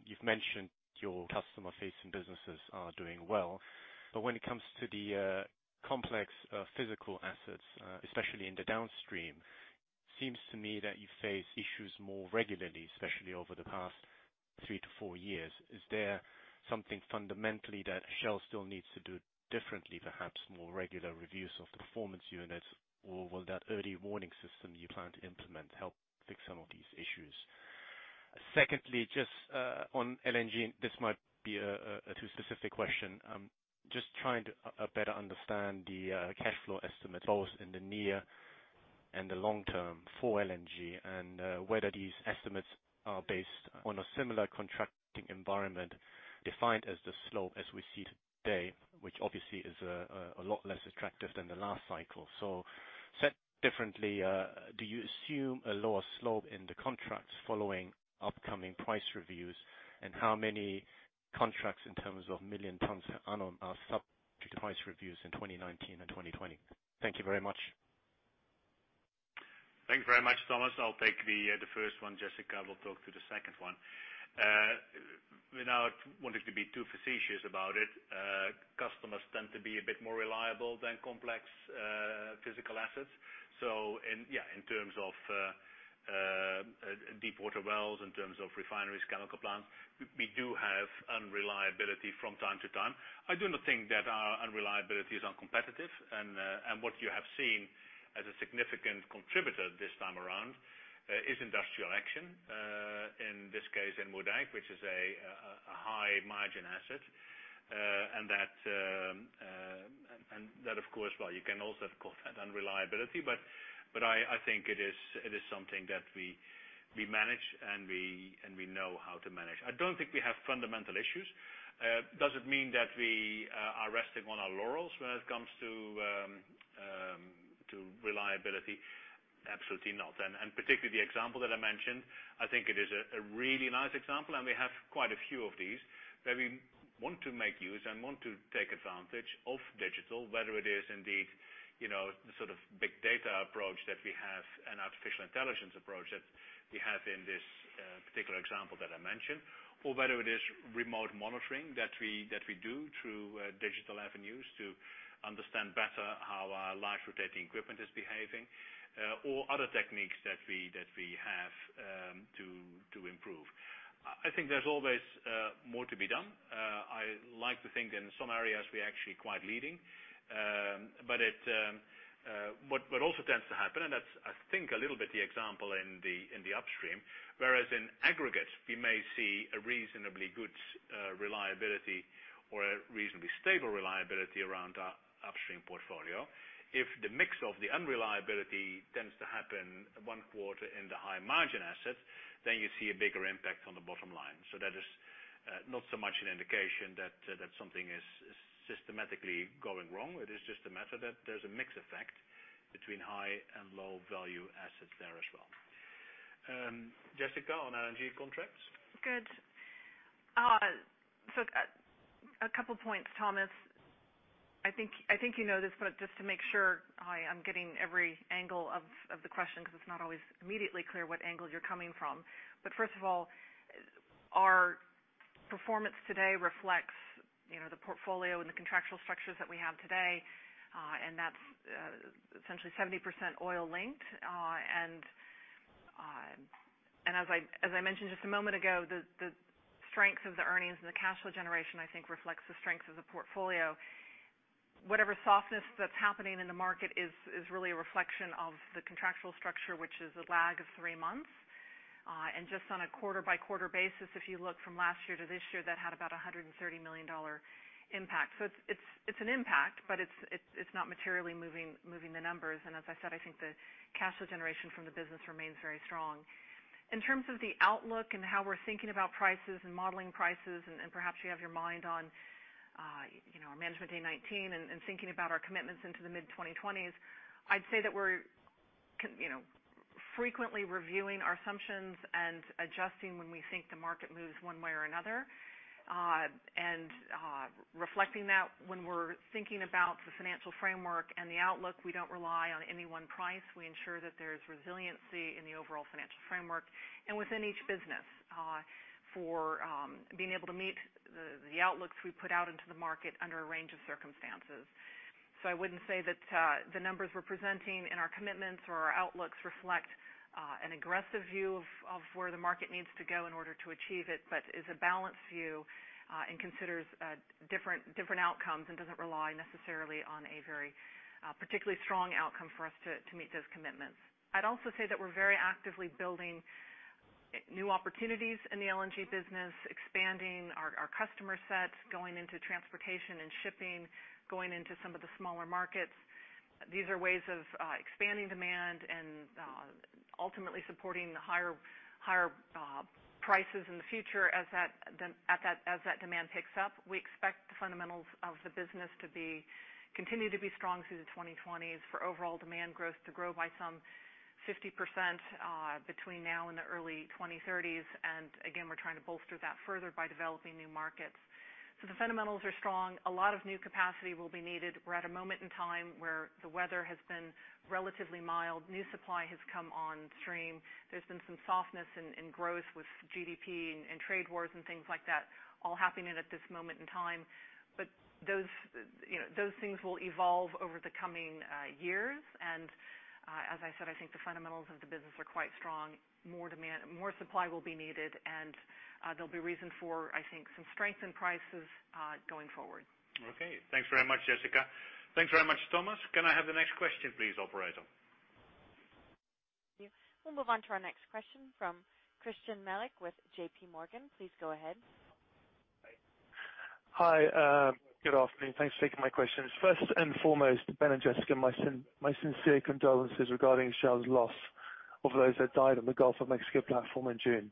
G: You've mentioned your customer-facing businesses are doing well, but when it comes to the complex physical assets, especially in the downstream, seems to me that you face issues more regularly, especially over the past three to four years. Is there something fundamentally that Shell still needs to do differently, perhaps more regular reviews of the performance unit, or will that early warning system you plan to implement help fix some of these issues? Secondly, just on LNG, this might be a too specific question. Just trying to better understand the cash flow estimates, both in the near and the long term for LNG, and whether these estimates are based on a similar contracting environment defined as the slope as we see today, which obviously is a lot less attractive than the last cycle. Said differently, do you assume a lower slope in the contracts following upcoming price reviews? How many contracts in terms of million tons are subject to price reviews in 2019 and 2020? Thank you very much.
B: Thank you very much, Thomas. I'll take the first one. Jessica will talk to the second one. Without wanting to be too facetious about it, customers tend to be a bit more reliable than complex physical assets. In terms of deepwater wells, in terms of refineries, chemical plants, we do have unreliability from time to time. I do not think that our unreliability is uncompetitive. What you have seen as a significant contributor this time around is industrial action. In this case, in Moerdijk, which is a high margin asset. That, of course, well, you can also call that unreliability, but I think it is something that we manage, and we know how to manage. I don't think we have fundamental issues. Does it mean that we are resting on our laurels when it comes to reliability? Absolutely not. Particularly the example that I mentioned, I think it is a really nice example, and we have quite a few of these, where we want to make use and want to take advantage of digital, whether it is indeed the sort of big data approach that we have and artificial intelligence approach that we have in this particular example that I mentioned, or whether it is remote monitoring that we do through digital avenues to understand better how our large rotating equipment is behaving, or other techniques that we have to improve. I think there's always more to be done. I like to think in some areas we are actually quite leading. What also tends to happen, and that's, I think, a little bit the example in the upstream, whereas in aggregate, we may see a reasonably good reliability or a reasonably stable reliability around our upstream portfolio. If the mix of the unreliability tends to happen one quarter in the high margin assets, then you see a bigger impact on the bottom line. That is not so much an indication that something is systematically going wrong. It is just a matter that there's a mix effect between high and low value assets there as well. Jessica, on LNG contracts?
C: Good. A couple points, Thomas. I think you know this, but just to make sure I'm getting every angle of the question, because it's not always immediately clear what angle you're coming from. First of all, our performance today reflects the portfolio and the contractual structures that we have today, and that's essentially 70% oil linked. As I mentioned just a moment ago, the strength of the earnings and the cash flow generation, I think, reflects the strength of the portfolio. Whatever softness that's happening in the market is really a reflection of the contractual structure, which is a lag of three months. Just on a quarter-by-quarter basis, if you look from last year to this year, that had about $130 million impact. It's an impact, but it's not materially moving the numbers. As I said, I think the cash flow generation from the business remains very strong. In terms of the outlook and how we're thinking about prices and modeling prices, and perhaps you have your mind on our Management Day 2019 and thinking about our commitments into the mid-2020s, I'd say that we're frequently reviewing our assumptions and adjusting when we think the market moves one way or another. Reflecting that when we're thinking about the financial framework and the outlook, we don't rely on any one price. We ensure that there's resiliency in the overall financial framework and within each business for being able to meet the outlooks we put out into the market under a range of circumstances. I wouldn't say that the numbers we're presenting in our commitments or our outlooks reflect an aggressive view of where the market needs to go in order to achieve it, but is a balanced view and considers different outcomes and doesn't rely necessarily on a very particularly strong outcome for us to meet those commitments. I'd also say that we're very actively building new opportunities in the LNG business, expanding our customer sets, going into transportation and shipping, going into some of the smaller markets. These are ways of expanding demand and ultimately supporting the higher prices in the future as that demand picks up. We expect the fundamentals of the business to continue to be strong through the 2020s for overall demand growth to grow by some 50% between now and the early 2030s. Again, we're trying to bolster that further by developing new markets. The fundamentals are strong. A lot of new capacity will be needed. We're at a moment in time where the weather has been relatively mild. New supply has come on stream. There's been some softness in growth with GDP and trade wars and things like that all happening at this moment in time. Those things will evolve over the coming years. As I said, I think the fundamentals of the business are quite strong. More supply will be needed, and there'll be reason for, I think, some strength in prices going forward.
B: Okay. Thanks very much, Jessica. Thanks very much, Thomas. Can I have the next question please, operator?
A: We'll move on to our next question from Christyan Malek with JPMorgan. Please go ahead.
H: Hi. Good afternoon. Thanks for taking my questions. First and foremost, Ben and Jessica, my sincere condolences regarding Shell's loss of those that died on the Gulf of Mexico platform in June.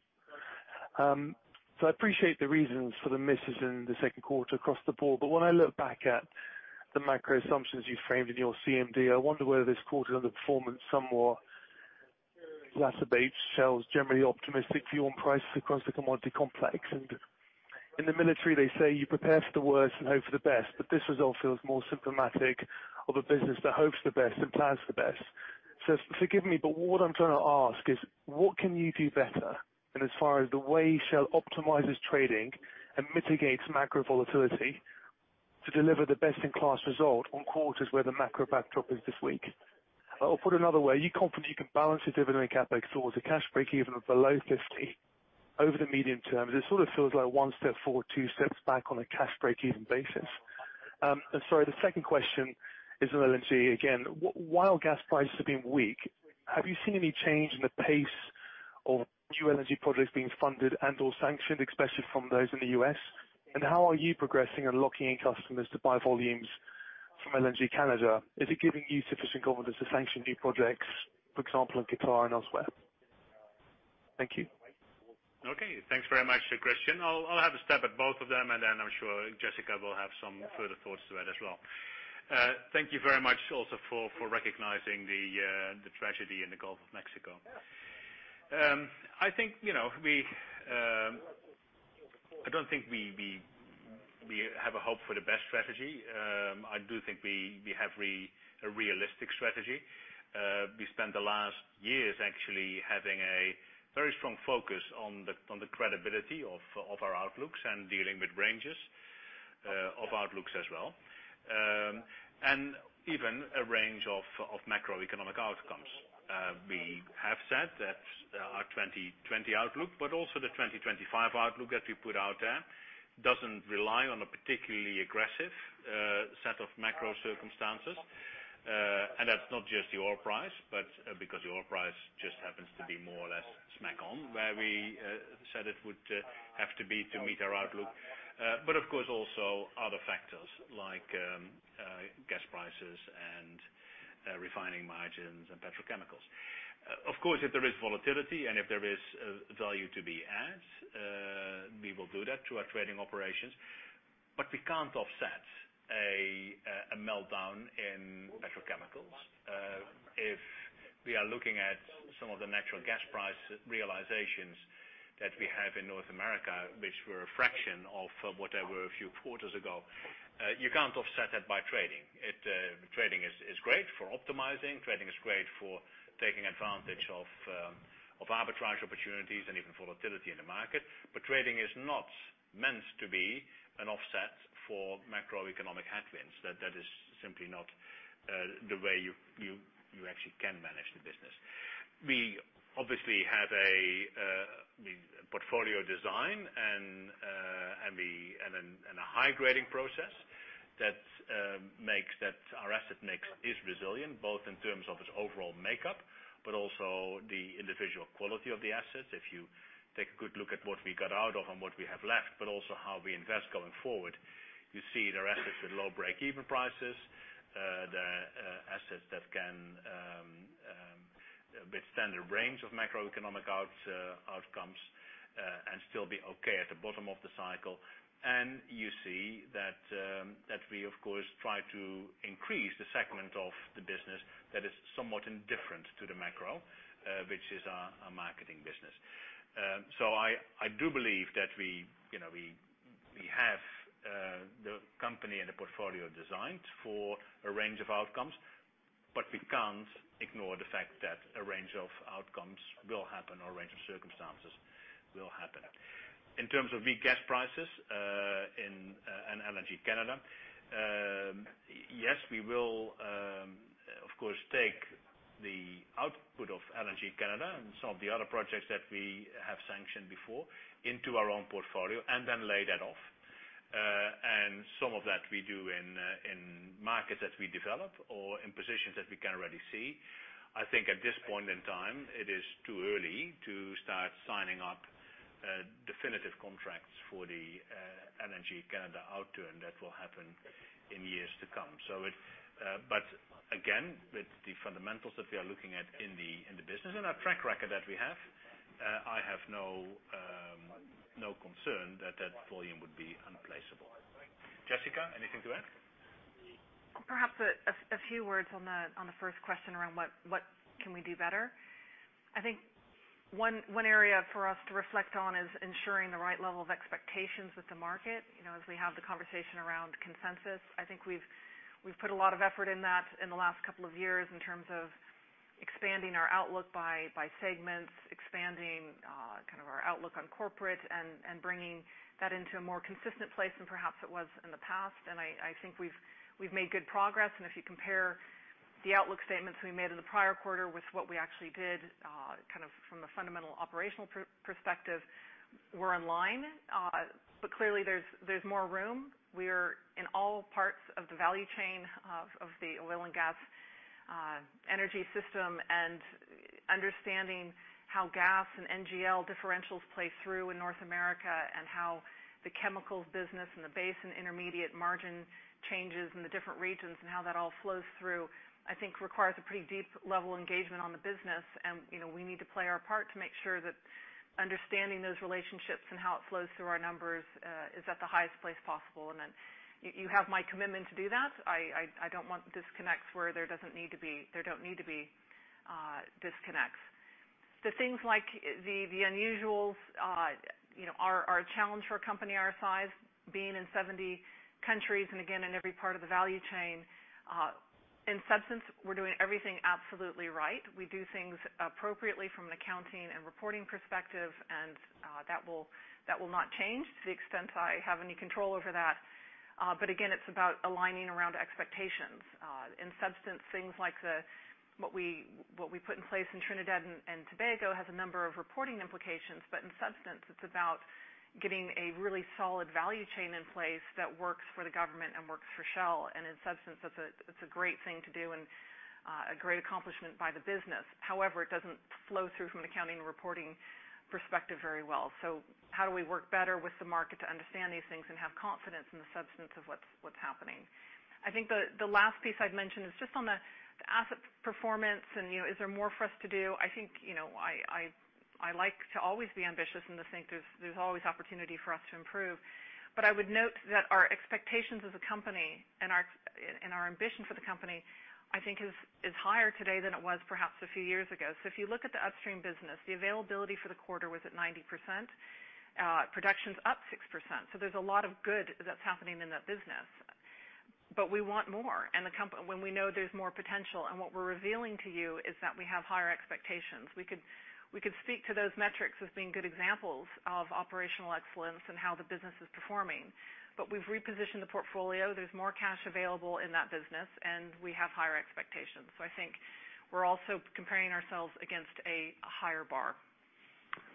H: I appreciate the reasons for the misses in the second quarter across the board. When I look back at the macro assumptions you framed in your CMD, I wonder whether this quarter underperformance somewhat exacerbates Shell's generally optimistic view on prices across the commodity complex. In the military, they say you prepare for the worst and hope for the best, but this result feels more symptomatic of a business that hopes for the best and plans the best. Forgive me, but what I'm trying to ask is, what can you do better and as far as the way Shell optimizes trading and mitigates macro volatility to deliver the best-in-class result on quarters where the macro backdrop is this weak? Put another way, are you confident you can balance the dividend and CapEx towards a cash break even of below 50 over the medium term? This sort of feels like one step forward, two steps back on a cash break even basis. Sorry, the second question is on LNG again. While gas prices have been weak, have you seen any change in the pace of new LNG projects being funded and/or sanctioned, especially from those in the U.S.? How are you progressing on locking in customers to buy volumes from LNG Canada? Is it giving you sufficient confidence to sanction new projects, for example, in Qatar and elsewhere? Thank you.
B: Okay. Thanks very much, Christyan. I'll have a stab at both of them, and then I'm sure Jessica will have some further thoughts to add as well. Thank you very much also for recognizing the tragedy in the Gulf of Mexico. I don't think we have a hope for the best strategy. I do think we have a realistic strategy. We spent the last years actually having a very strong focus on the credibility of our outlooks and dealing with ranges of outlooks as well, and even a range of macroeconomic outcomes. We have said that our 2020 outlook, but also the 2025 outlook that we put out there, doesn't rely on a particularly aggressive set of macro circumstances. That's not just the oil price, but because the oil price just happens to be more or less smack on where we said it would have to be to meet our outlook. Of course, also other factors like gas prices and refining margins and petrochemicals. Of course, if there is volatility and if there is value to be had, we will do that through our trading operations. We can't offset a meltdown in petrochemicals. If we are looking at some of the natural gas price realizations that we have in North America, which were a fraction of what they were a few quarters ago, you can't offset that by trading. Trading is great for optimizing. Trading is great for taking advantage of arbitrage opportunities and even volatility in the market. Trading is not meant to be an offset for macroeconomic headwinds. That is simply not the way you actually can manage the business. We obviously have a portfolio design and a high grading process that makes that our asset mix is resilient, both in terms of its overall makeup, but also the individual quality of the assets. If you take a good look at what we got out of and what we have left, but also how we invest going forward, you see there are assets with low break-even prices, there are assets that can withstand a range of macroeconomic outcomes, and still be okay at the bottom of the cycle. You see that we of course, try to increase the segment of the business that is somewhat indifferent to the macro, which is our marketing business. I do believe that we have the company and the portfolio designed for a range of outcomes, but we can't ignore the fact that a range of outcomes will happen or a range of circumstances will happen. In terms of weak gas prices, and LNG Canada, yes, we will, of course, take the output of LNG Canada and some of the other projects that we have sanctioned before into our own portfolio and then lay that off. Some of that we do in markets that we develop or in positions that we can already see. I think at this point in time, it is too early to start signing up definitive contracts for the LNG Canada outturn. That will happen in years to come. Again, with the fundamentals that we are looking at in the business and our track record that we have, I have no concern that that volume would be unplaceable. Jessica, anything to add?
C: Perhaps a few words on the first question around what can we do better. I think one area for us to reflect on is ensuring the right level of expectations with the market. As we have the conversation around consensus, I think we've put a lot of effort in that in the last couple of years in terms of expanding our outlook by segments, expanding our outlook on corporate, and bringing that into a more consistent place than perhaps it was in the past. I think we've made good progress, and if you compare the outlook statements we made in the prior quarter with what we actually did from a fundamental operational perspective, we're in line. Clearly, there's more room. We're in all parts of the value chain of the oil and gas energy system and understanding how gas and NGL differentials play through in North America, and how the chemicals business and the base and intermediate margin changes in the different regions, and how that all flows through, I think requires a pretty deep level engagement on the business. We need to play our part to make sure that understanding those relationships and how it flows through our numbers is at the highest place possible. You have my commitment to do that. I don't want disconnects where there don't need to be disconnects. The things like the unusuals, are a challenge for a company our size, being in 70 countries, and again, in every part of the value chain. In substance, we're doing everything absolutely right. We do things appropriately from an accounting and reporting perspective, and that will not change to the extent I have any control over that. Again, it's about aligning around expectations. In substance, things like what we put in place in Trinidad and Tobago has a number of reporting implications, but in substance, it's about getting a really solid value chain in place that works for the government and works for Shell. In substance, that's a great thing to do and a great accomplishment by the business. However, it doesn't flow through from an accounting and reporting perspective very well. How do we work better with the market to understand these things and have confidence in the substance of what's happening? I think the last piece I'd mention is just on the asset performance and, is there more for us to do? I think, I like to always be ambitious and to think there's always opportunity for us to improve. I would note that our expectations as a company and our ambition for the company, I think is higher today than it was perhaps a few years ago. If you look at the upstream business, the availability for the quarter was at 90%. Production's up 6%. There's a lot of good that's happening in that business. We want more, and when we know there's more potential and what we're revealing to you is that we have higher expectations. We could speak to those metrics as being good examples of operational excellence and how the business is performing. We've repositioned the portfolio. There's more cash available in that business, and we have higher expectations. I think we're also comparing ourselves against a higher bar.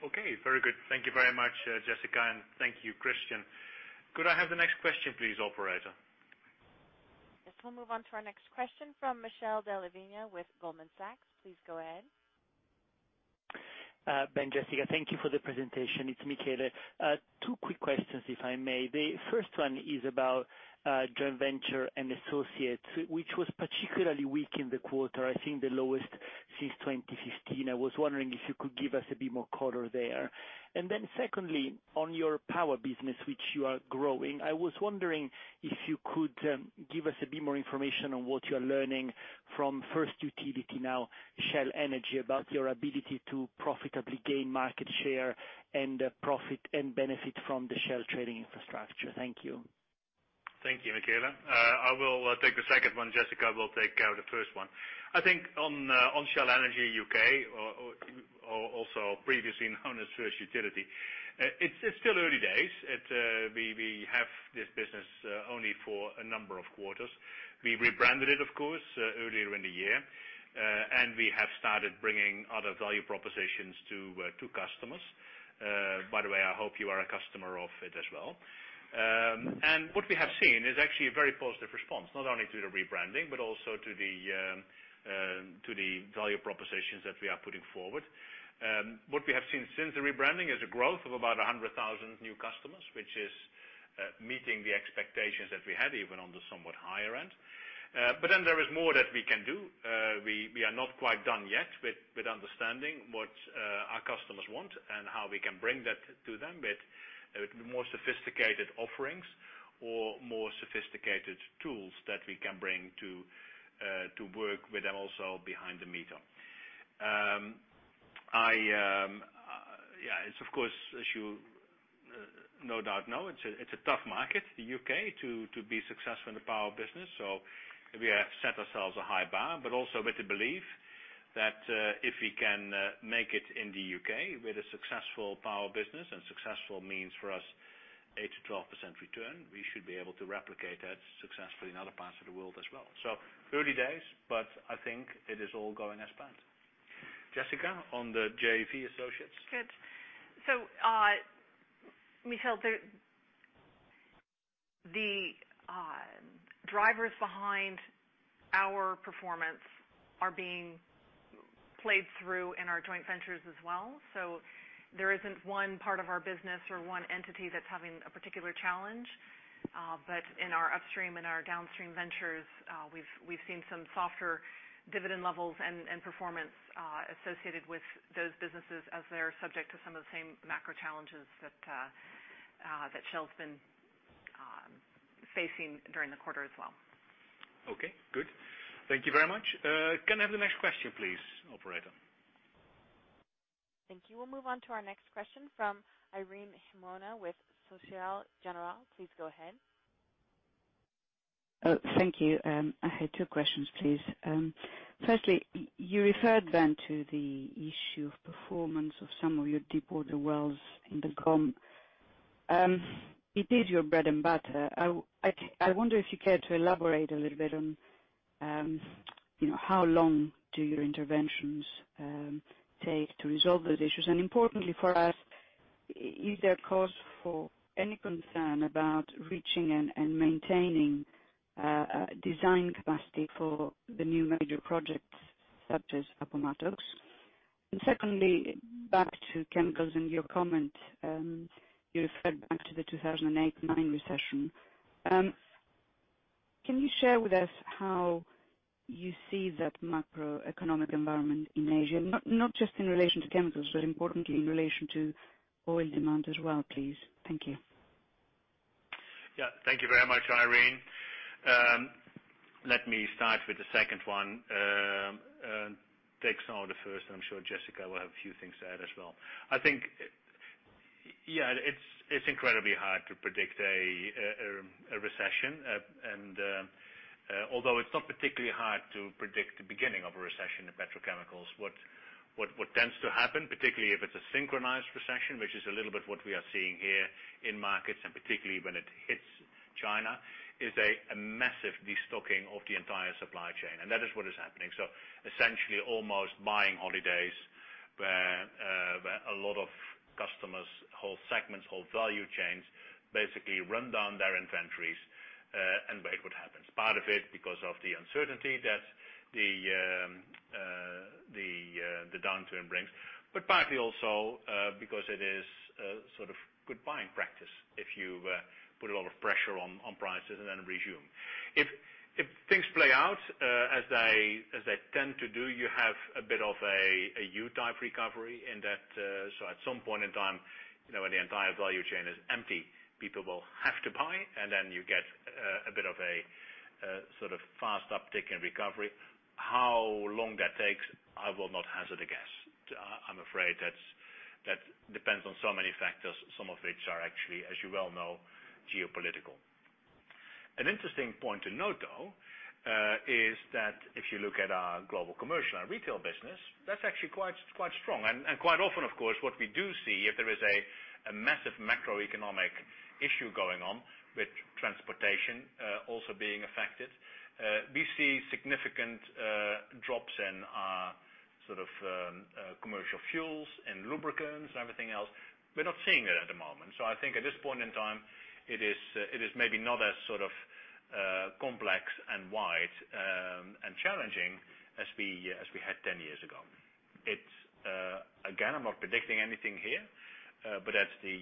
B: Okay. Very good. Thank you very much, Jessica, and thank you, Christyan. Could I have the next question please, operator?
A: Yes, we'll move on to our next question from Michele Della Vigna with Goldman Sachs. Please go ahead.
I: Ben, Jessica, thank you for the presentation. It's Michele. Two quick questions, if I may. The first one is about joint venture and associates, which was particularly weak in the quarter, I think the lowest since 2015. I was wondering if you could give us a bit more color there. Secondly, on your power business, which you are growing, I was wondering if you could give us a bit more information on what you're learning from First Utility, now Shell Energy, about your ability to profitably gain market share and profit and benefit from the Shell trading infrastructure. Thank you.
B: Thank you, Michele. I will take the second one. Jessica will take care of the first one. I think on Shell Energy UK, or also previously known as First Utility, it is still early days. We have this business only for a number of quarters. We rebranded it, of course, earlier in the year. We have started bringing other value propositions to customers. By the way, I hope you are a customer of it as well. What we have seen is actually a very positive response, not only to the rebranding, but also to the value propositions that we are putting forward. What we have seen since the rebranding is a growth of about 100,000 new customers, which is meeting the expectations that we had, even on the somewhat higher end. There is more that we can do. We are not quite done yet with understanding what our customers want and how we can bring that to them with more sophisticated offerings or more sophisticated tools that we can bring to work with them also behind the meter. It's of course, as you no doubt know, it's a tough market, the U.K., to be successful in the power business. We have set ourselves a high bar, but also with the belief that if we can make it in the U.K. with a successful power business, and successful means for us 8%-12% return, we should be able to replicate that successfully in other parts of the world as well. 30 days, but I think it is all going as planned. Jessica, on the JV associates.
C: Good. Michele, the drivers behind our performance are being played through in our joint ventures as well. There isn't one part of our business or one entity that's having a particular challenge. In our upstream and our downstream ventures, we've seen some softer dividend levels and performance associated with those businesses as they're subject to some of the same macro challenges that Shell's been facing during the quarter as well.
B: Okay, good. Thank you very much. Can I have the next question please, operator?
A: Thank you. We'll move on to our next question from Irene Himona with Société Générale. Please go ahead.
J: Thank you. I had two questions, please. Firstly, you referred then to the issue of performance of some of your deep water wells in the GoM. It is your bread and butter. I wonder if you care to elaborate a little bit on how long do your interventions take to resolve those issues? Importantly for us, is there a cause for any concern about reaching and maintaining design capacity for the new major projects such as Appomattox? Secondly, back to chemicals and your comment, you referred back to the 2008-2009 recession. Can you share with us how you see that macroeconomic environment in Asia? Not just in relation to chemicals, but importantly in relation to oil demand as well, please. Thank you.
B: Thank you very much, Irene. Let me start with the second one, take some of the first, and I'm sure Jessica will have a few things to add as well. I think, yeah, it's incredibly hard to predict a recession, although it's not particularly hard to predict the beginning of a recession in petrochemicals. What tends to happen, particularly if it's a synchronized recession, which is a little bit what we are seeing here in markets, and particularly when it hits China, is a massive destocking of the entire supply chain, and that is what is happening. Essentially, almost buying holidays, where a lot of customers, whole segments, whole value chains, basically run down their inventories, and wait what happens. Part of it because of the uncertainty that the downturn brings, partly also because it is a sort of good buying practice if you put a lot of pressure on prices and then resume. If things play out, as they tend to do, you have a bit of a U type recovery in that. At some point in time, when the entire value chain is empty, people will have to buy, and then you get a bit of a sort of fast uptick in recovery. How long that takes, I will not hazard a guess. I'm afraid that depends on so many factors, some of which are actually, as you well know, geopolitical. An interesting point to note, though, is that if you look at our Global Commercial and retail business, that's actually quite strong. Quite often, of course, what we do see, if there is a massive macroeconomic issue going on with transportation also being affected, we see significant drops in our commercial fuels and lubricants and everything else. We're not seeing it at the moment. I think at this point in time, it is maybe not as complex and wide and challenging as we had 10 years ago. Again, I'm not predicting anything here, but that's the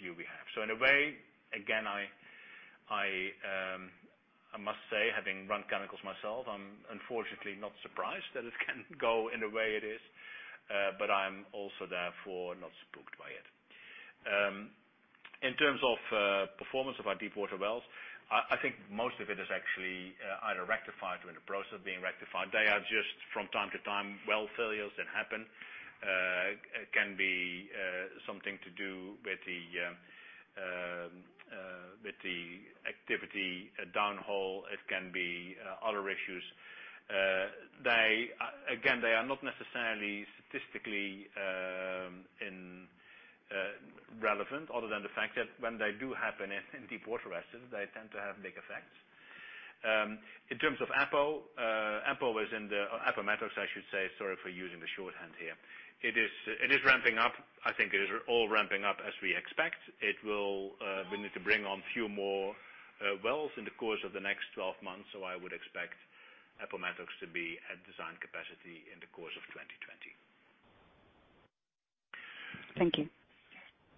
B: view we have. In a way, again, I must say, having run chemicals myself, I'm unfortunately not surprised that it can go in the way it is, but I'm also, therefore, not spooked by it. In terms of performance of our deepwater wells, I think most of it is actually either rectified or in the process of being rectified. They are just from time to time, well failures that happen. It can be something to do with the activity downhole. It can be other issues. Again, they are not necessarily statistically relevant other than the fact that when they do happen in deepwater assets, they tend to have big effects. In terms of Appomattox, it is ramping up. I think it is all ramping up as we expect. We need to bring on a few more wells in the course of the next 12 months. I would expect Appomattox to be at design capacity in the course of 2020.
J: Thank you.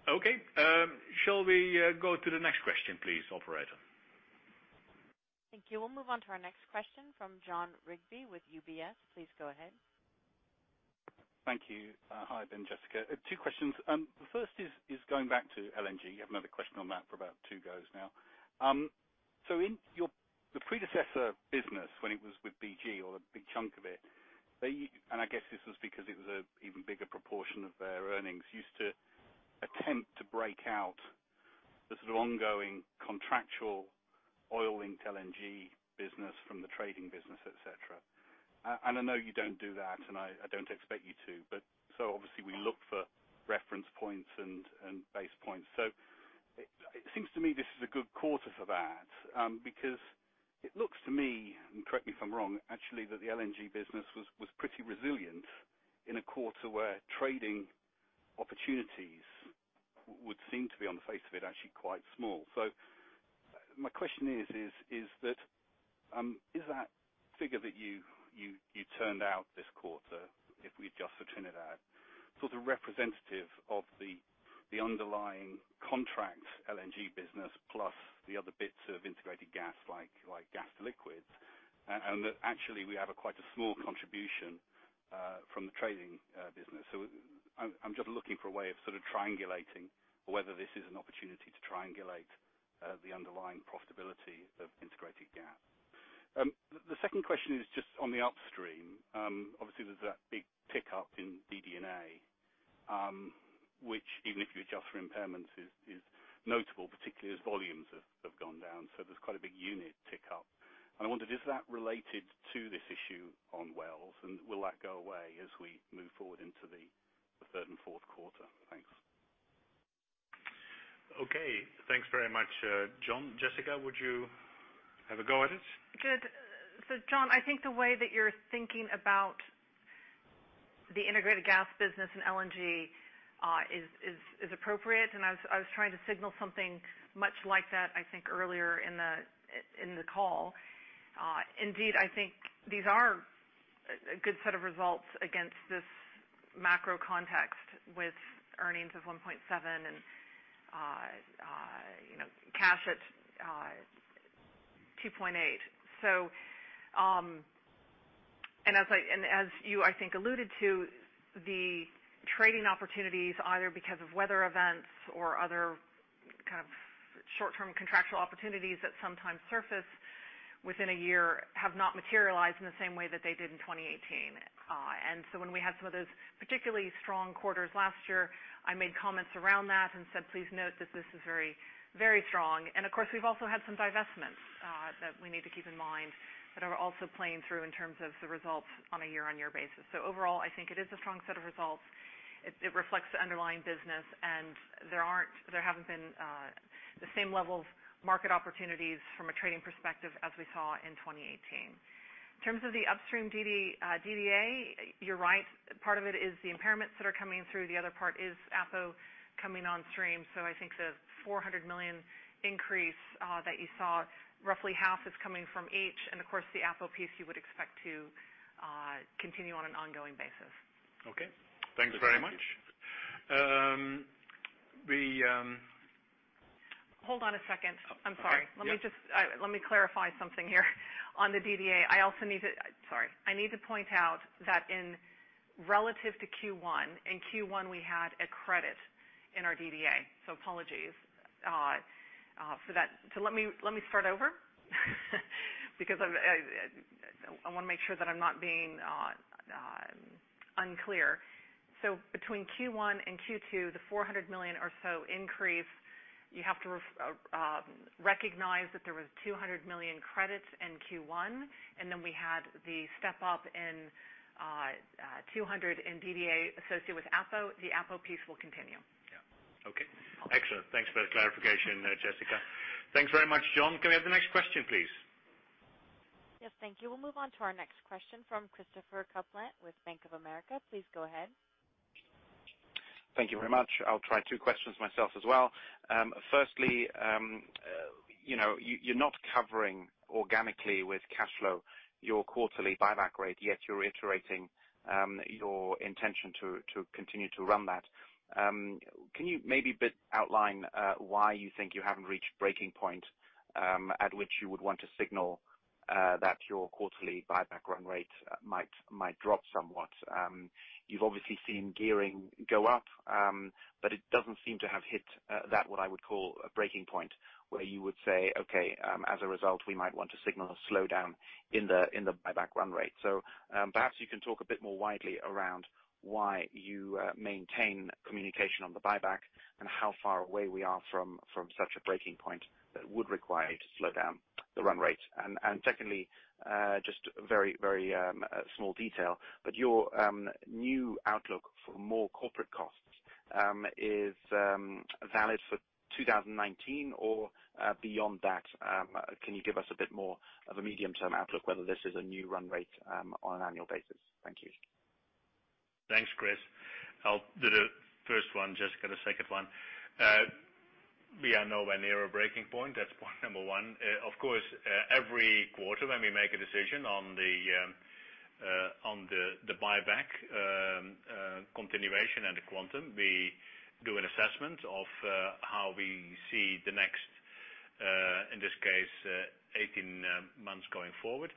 B: Okay. Shall we go to the next question, please, operator?
A: Thank you. We'll move on to our next question from Jon Rigby with UBS. Please go ahead.
K: Thank you. Hi, then Jessica. Two questions. The first is going back to LNG. You have another question on that for about two goes now. In the predecessor business, when it was with BG or a big chunk of it, and I guess this was because it was an even bigger proportion of their earnings, used to attempt to break out the sort of ongoing contractual oil linked LNG business from the trading business, et cetera. I know you don't do that, and I don't expect you to, but obviously we look for reference points and base points. It seems to me this is a good quarter for that, because it looks to me, and correct me if I'm wrong, actually, that the LNG business was pretty resilient in a quarter where trading opportunities would seem to be on the face of it, actually quite small. My question is that, is that figure that you turned out this quarter, if we adjust for turn it out, sort of representative of the underlying contract LNG business plus the other bits of integrated gas, like gas to liquids, and that actually we have a quite a small contribution from the trading business? I'm just looking for a way of sort of triangulating or whether this is an opportunity to triangulate the underlying profitability of integrated gas. The second question is just on the upstream. Obviously, there's that big tick up in DD&A, which even if you adjust for impairments is notable, particularly as volumes have gone down. There's quite a big unit tick up. I wondered, is that related to this issue on wells, and will that go away as we move forward into the third and fourth quarter?
B: Okay, thanks very much, Jon. Jessica, would you have a go at it?
C: Good. Jon, I think the way that you're thinking about the integrated gas business and LNG is appropriate, and I was trying to signal something much like that, I think, earlier in the call. Indeed, I think these are a good set of results against this macro context with earnings of $1.7 and cash at $2.8. As you, I think, alluded to, the trading opportunities, either because of weather events or other kind of short-term contractual opportunities that sometimes surface within a year, have not materialized in the same way that they did in 2018. When we had some of those particularly strong quarters last year, I made comments around that and said, please note that this is very strong. Of course, we've also had some divestments that we need to keep in mind that are also playing through in terms of the results on a year-on-year basis. Overall, I think it is a strong set of results. It reflects the underlying business, and there haven't been the same level of market opportunities from a trading perspective as we saw in 2018. In terms of the upstream DD&A, you're right. Part of it is the impairments that are coming through. The other part is Appo coming on stream. I think the $400 million increase that you saw, roughly half is coming from each. Of course, the Appo piece you would expect to continue on an ongoing basis.
B: Okay. Thanks very much.
C: Hold on a second. I'm sorry.
B: Yeah.
C: Let me clarify something here on the DD&A. Sorry. I need to point out that in relative to Q1, in Q1 we had a credit in our DD&A. Apologies for that. Let me start over because I want to make sure that I'm not being unclear. Between Q1 and Q2, the $400 million or so increase, you have to recognize that there was $200 million credits in Q1, and then we had the step-up in $200 in DD&A associated with Appo. The Appo piece will continue.
B: Yeah. Okay. Excellent. Thanks for the clarification, Jessica. Thanks very much, Jon. Can we have the next question, please?
A: Yes, thank you. We'll move on to our next question from Christopher Kuplent with Bank of America. Please go ahead.
L: Thank you very much. I'll try two questions myself as well. Firstly, you're not covering organically with cash flow your quarterly buyback rate, yet you're reiterating your intention to continue to run that. Can you maybe a bit outline why you think you haven't reached breaking point at which you would want to signal that your quarterly buyback run-rate might drop somewhat? It doesn't seem to have hit that, what I would call, a breaking point, where you would say, okay, as a result, we might want to signal a slowdown in the buyback run-rate. Perhaps you can talk a bit more widely around why you maintain communication on the buyback and how far away we are from such a breaking point that would require you to slow down the run-rate. Secondly, just a very small detail, your new outlook for more corporate costs is valid for 2019 or beyond that? Can you give us a bit more of a medium-term outlook, whether this is a new run-rate on an annual basis? Thank you.
B: Thanks, Chris. I'll do the first one, Jessica, the second one. We are nowhere near a breaking point, that's point number one. Of course, every quarter when we make a decision on the buyback continuation and the quantum, we do an assessment of how we see the next, in this case, 18 months going forward.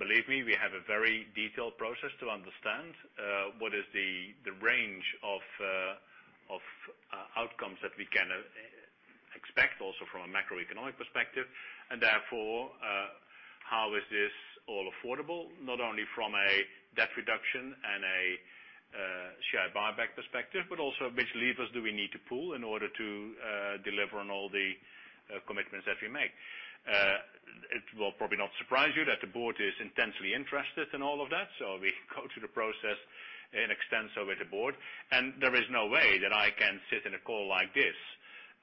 B: Believe me, we have a very detailed process to understand what is the range of outcomes that we can expect also from a macroeconomic perspective. Therefore, how is this all affordable, not only from a debt reduction and a share buyback perspective, but also which levers do we need to pull in order to deliver on all the commitments that we make. It will probably not surprise you that the board is intensely interested in all of that, so we go through the process in extenso over the board. There is no way that I can sit in a call like this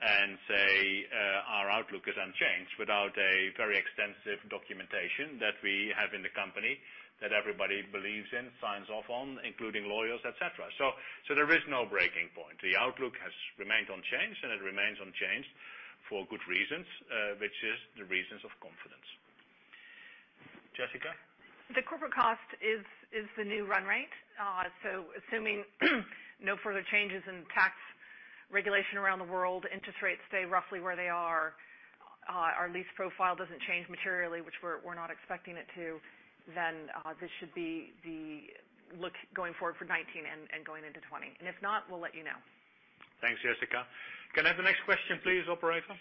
B: and say our outlook is unchanged without a very extensive documentation that we have in the company that everybody believes in, signs off on, including lawyers, et cetera. So there is no breaking point. The outlook has remained unchanged, and it remains unchanged for good reasons, which is the reasons of confidence. Jessica?
C: The corporate cost is the new run-rate. Assuming no further changes in tax regulation around the world, interest rates stay roughly where they are, our lease profile doesn't change materially, which we're not expecting it to, then this should be the look going forward for 2019 and going into 2020. If not, we'll let you know.
B: Thanks, Jessica. Can I have the next question please, operator?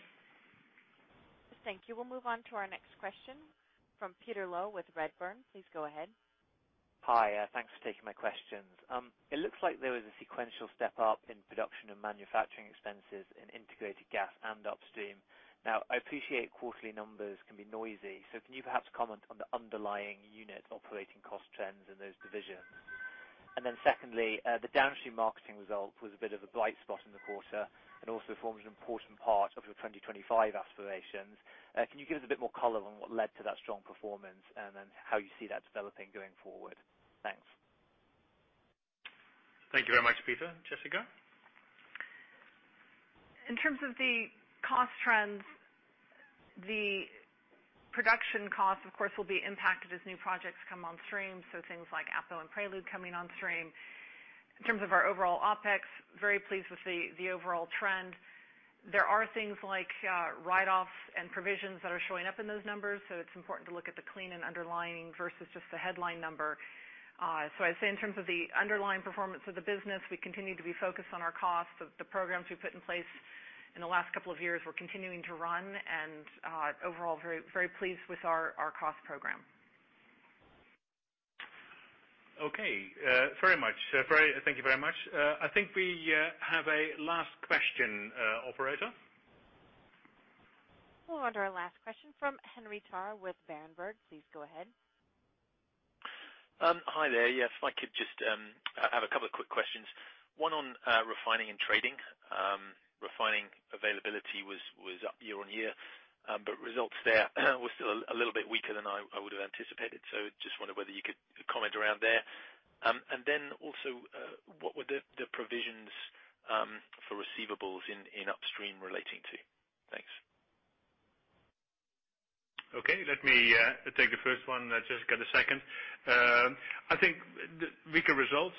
A: Thank you. We'll move on to our next question from Peter Lowe with Redburn. Please go ahead.
M: Hi. Thanks for taking my questions. It looks like there was a sequential step up in production and manufacturing expenses in integrated gas- upstream. I appreciate quarterly numbers can be noisy, can you perhaps comment on the underlying unit operating cost trends in those divisions? Secondly, the downstream marketing result was a bit of a bright spot in the quarter and also forms an important part of your 2025 aspirations. Can you give us a bit more color on what led to that strong performance and then how you see that developing going forward? Thanks.
B: Thank you very much, Peter. Jessica?
C: In terms of the cost trends, the production costs, of course, will be impacted as new projects come on stream, so things like Apo and Prelude coming on stream. In terms of our overall OpEx, very pleased with the overall trend. There are things like write-offs and provisions that are showing up in those numbers, so it's important to look at the clean and underlying versus just the headline number. I'd say in terms of the underlying performance of the business, we continue to be focused on our costs. The programs we've put in place in the last couple of years, we're continuing to run, and overall, very pleased with our cost program.
B: Okay. Thank you very much. I think we have a last question. Operator?
A: We'll go on to our last question from Henry Tarr with Berenberg. Please go ahead.
N: Hi there. Yes, I have a couple of quick questions. One on refining and trading. Refining availability was up year-on-year. Results there were still a little bit weaker than I would've anticipated. Just wondered whether you could comment around there. Also, what were the provisions for receivables in upstream relating to? Thanks.
B: Okay. Let me take the first one, Jessica, the second. I think weaker results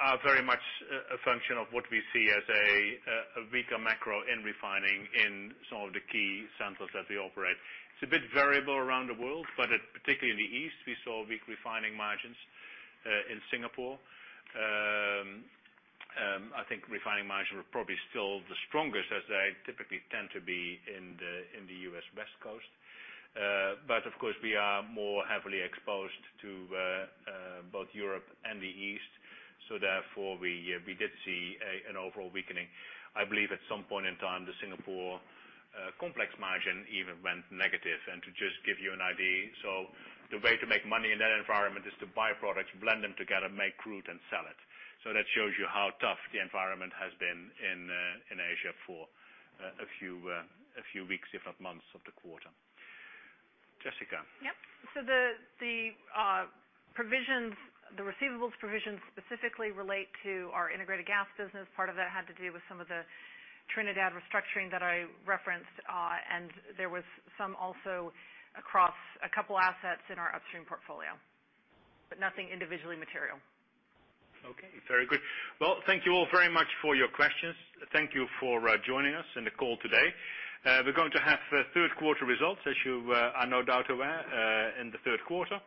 B: are very much a function of what we see as a weaker macro in refining in some of the key centers that we operate. It's a bit variable around the world, particularly in the East, we saw weak refining margins. In Singapore, I think refining margins were probably still the strongest as they typically tend to be in the U.S. West Coast. Of course, we are more heavily exposed to both Europe and the East, therefore we did see an overall weakening. I believe at some point in time, the Singapore complex margin even went negative. To just give you an idea, the way to make money in that environment is to buy products, blend them together, make crude, and sell it. That shows you how tough the environment has been in Asia for a few weeks, if not months of the quarter. Jessica.
C: Yep. The receivables provisions specifically relate to our Integrated Gas business. Part of that had to do with some of the Trinidad restructuring that I referenced. There was some also across a couple assets in our Upstream portfolio, but nothing individually material.
B: Okay. Very good. Well, thank you all very much for your questions. Thank you for joining us on the call today. We're going to have third quarter results, as you are no doubt aware, in the third quarter.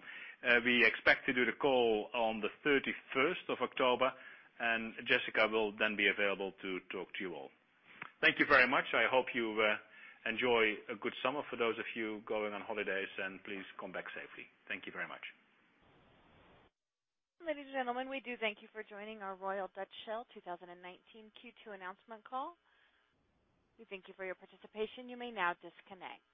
B: We expect to do the call on the 31st of October, and Jessica will then be available to talk to you all. Thank you very much. I hope you enjoy a good summer for those of you going on holidays, and please come back safely. Thank you very much.
A: Ladies and gentlemen, we do thank you for joining our Royal Dutch Shell 2019 Q2 announcement call. We thank you for your participation. You may now disconnect.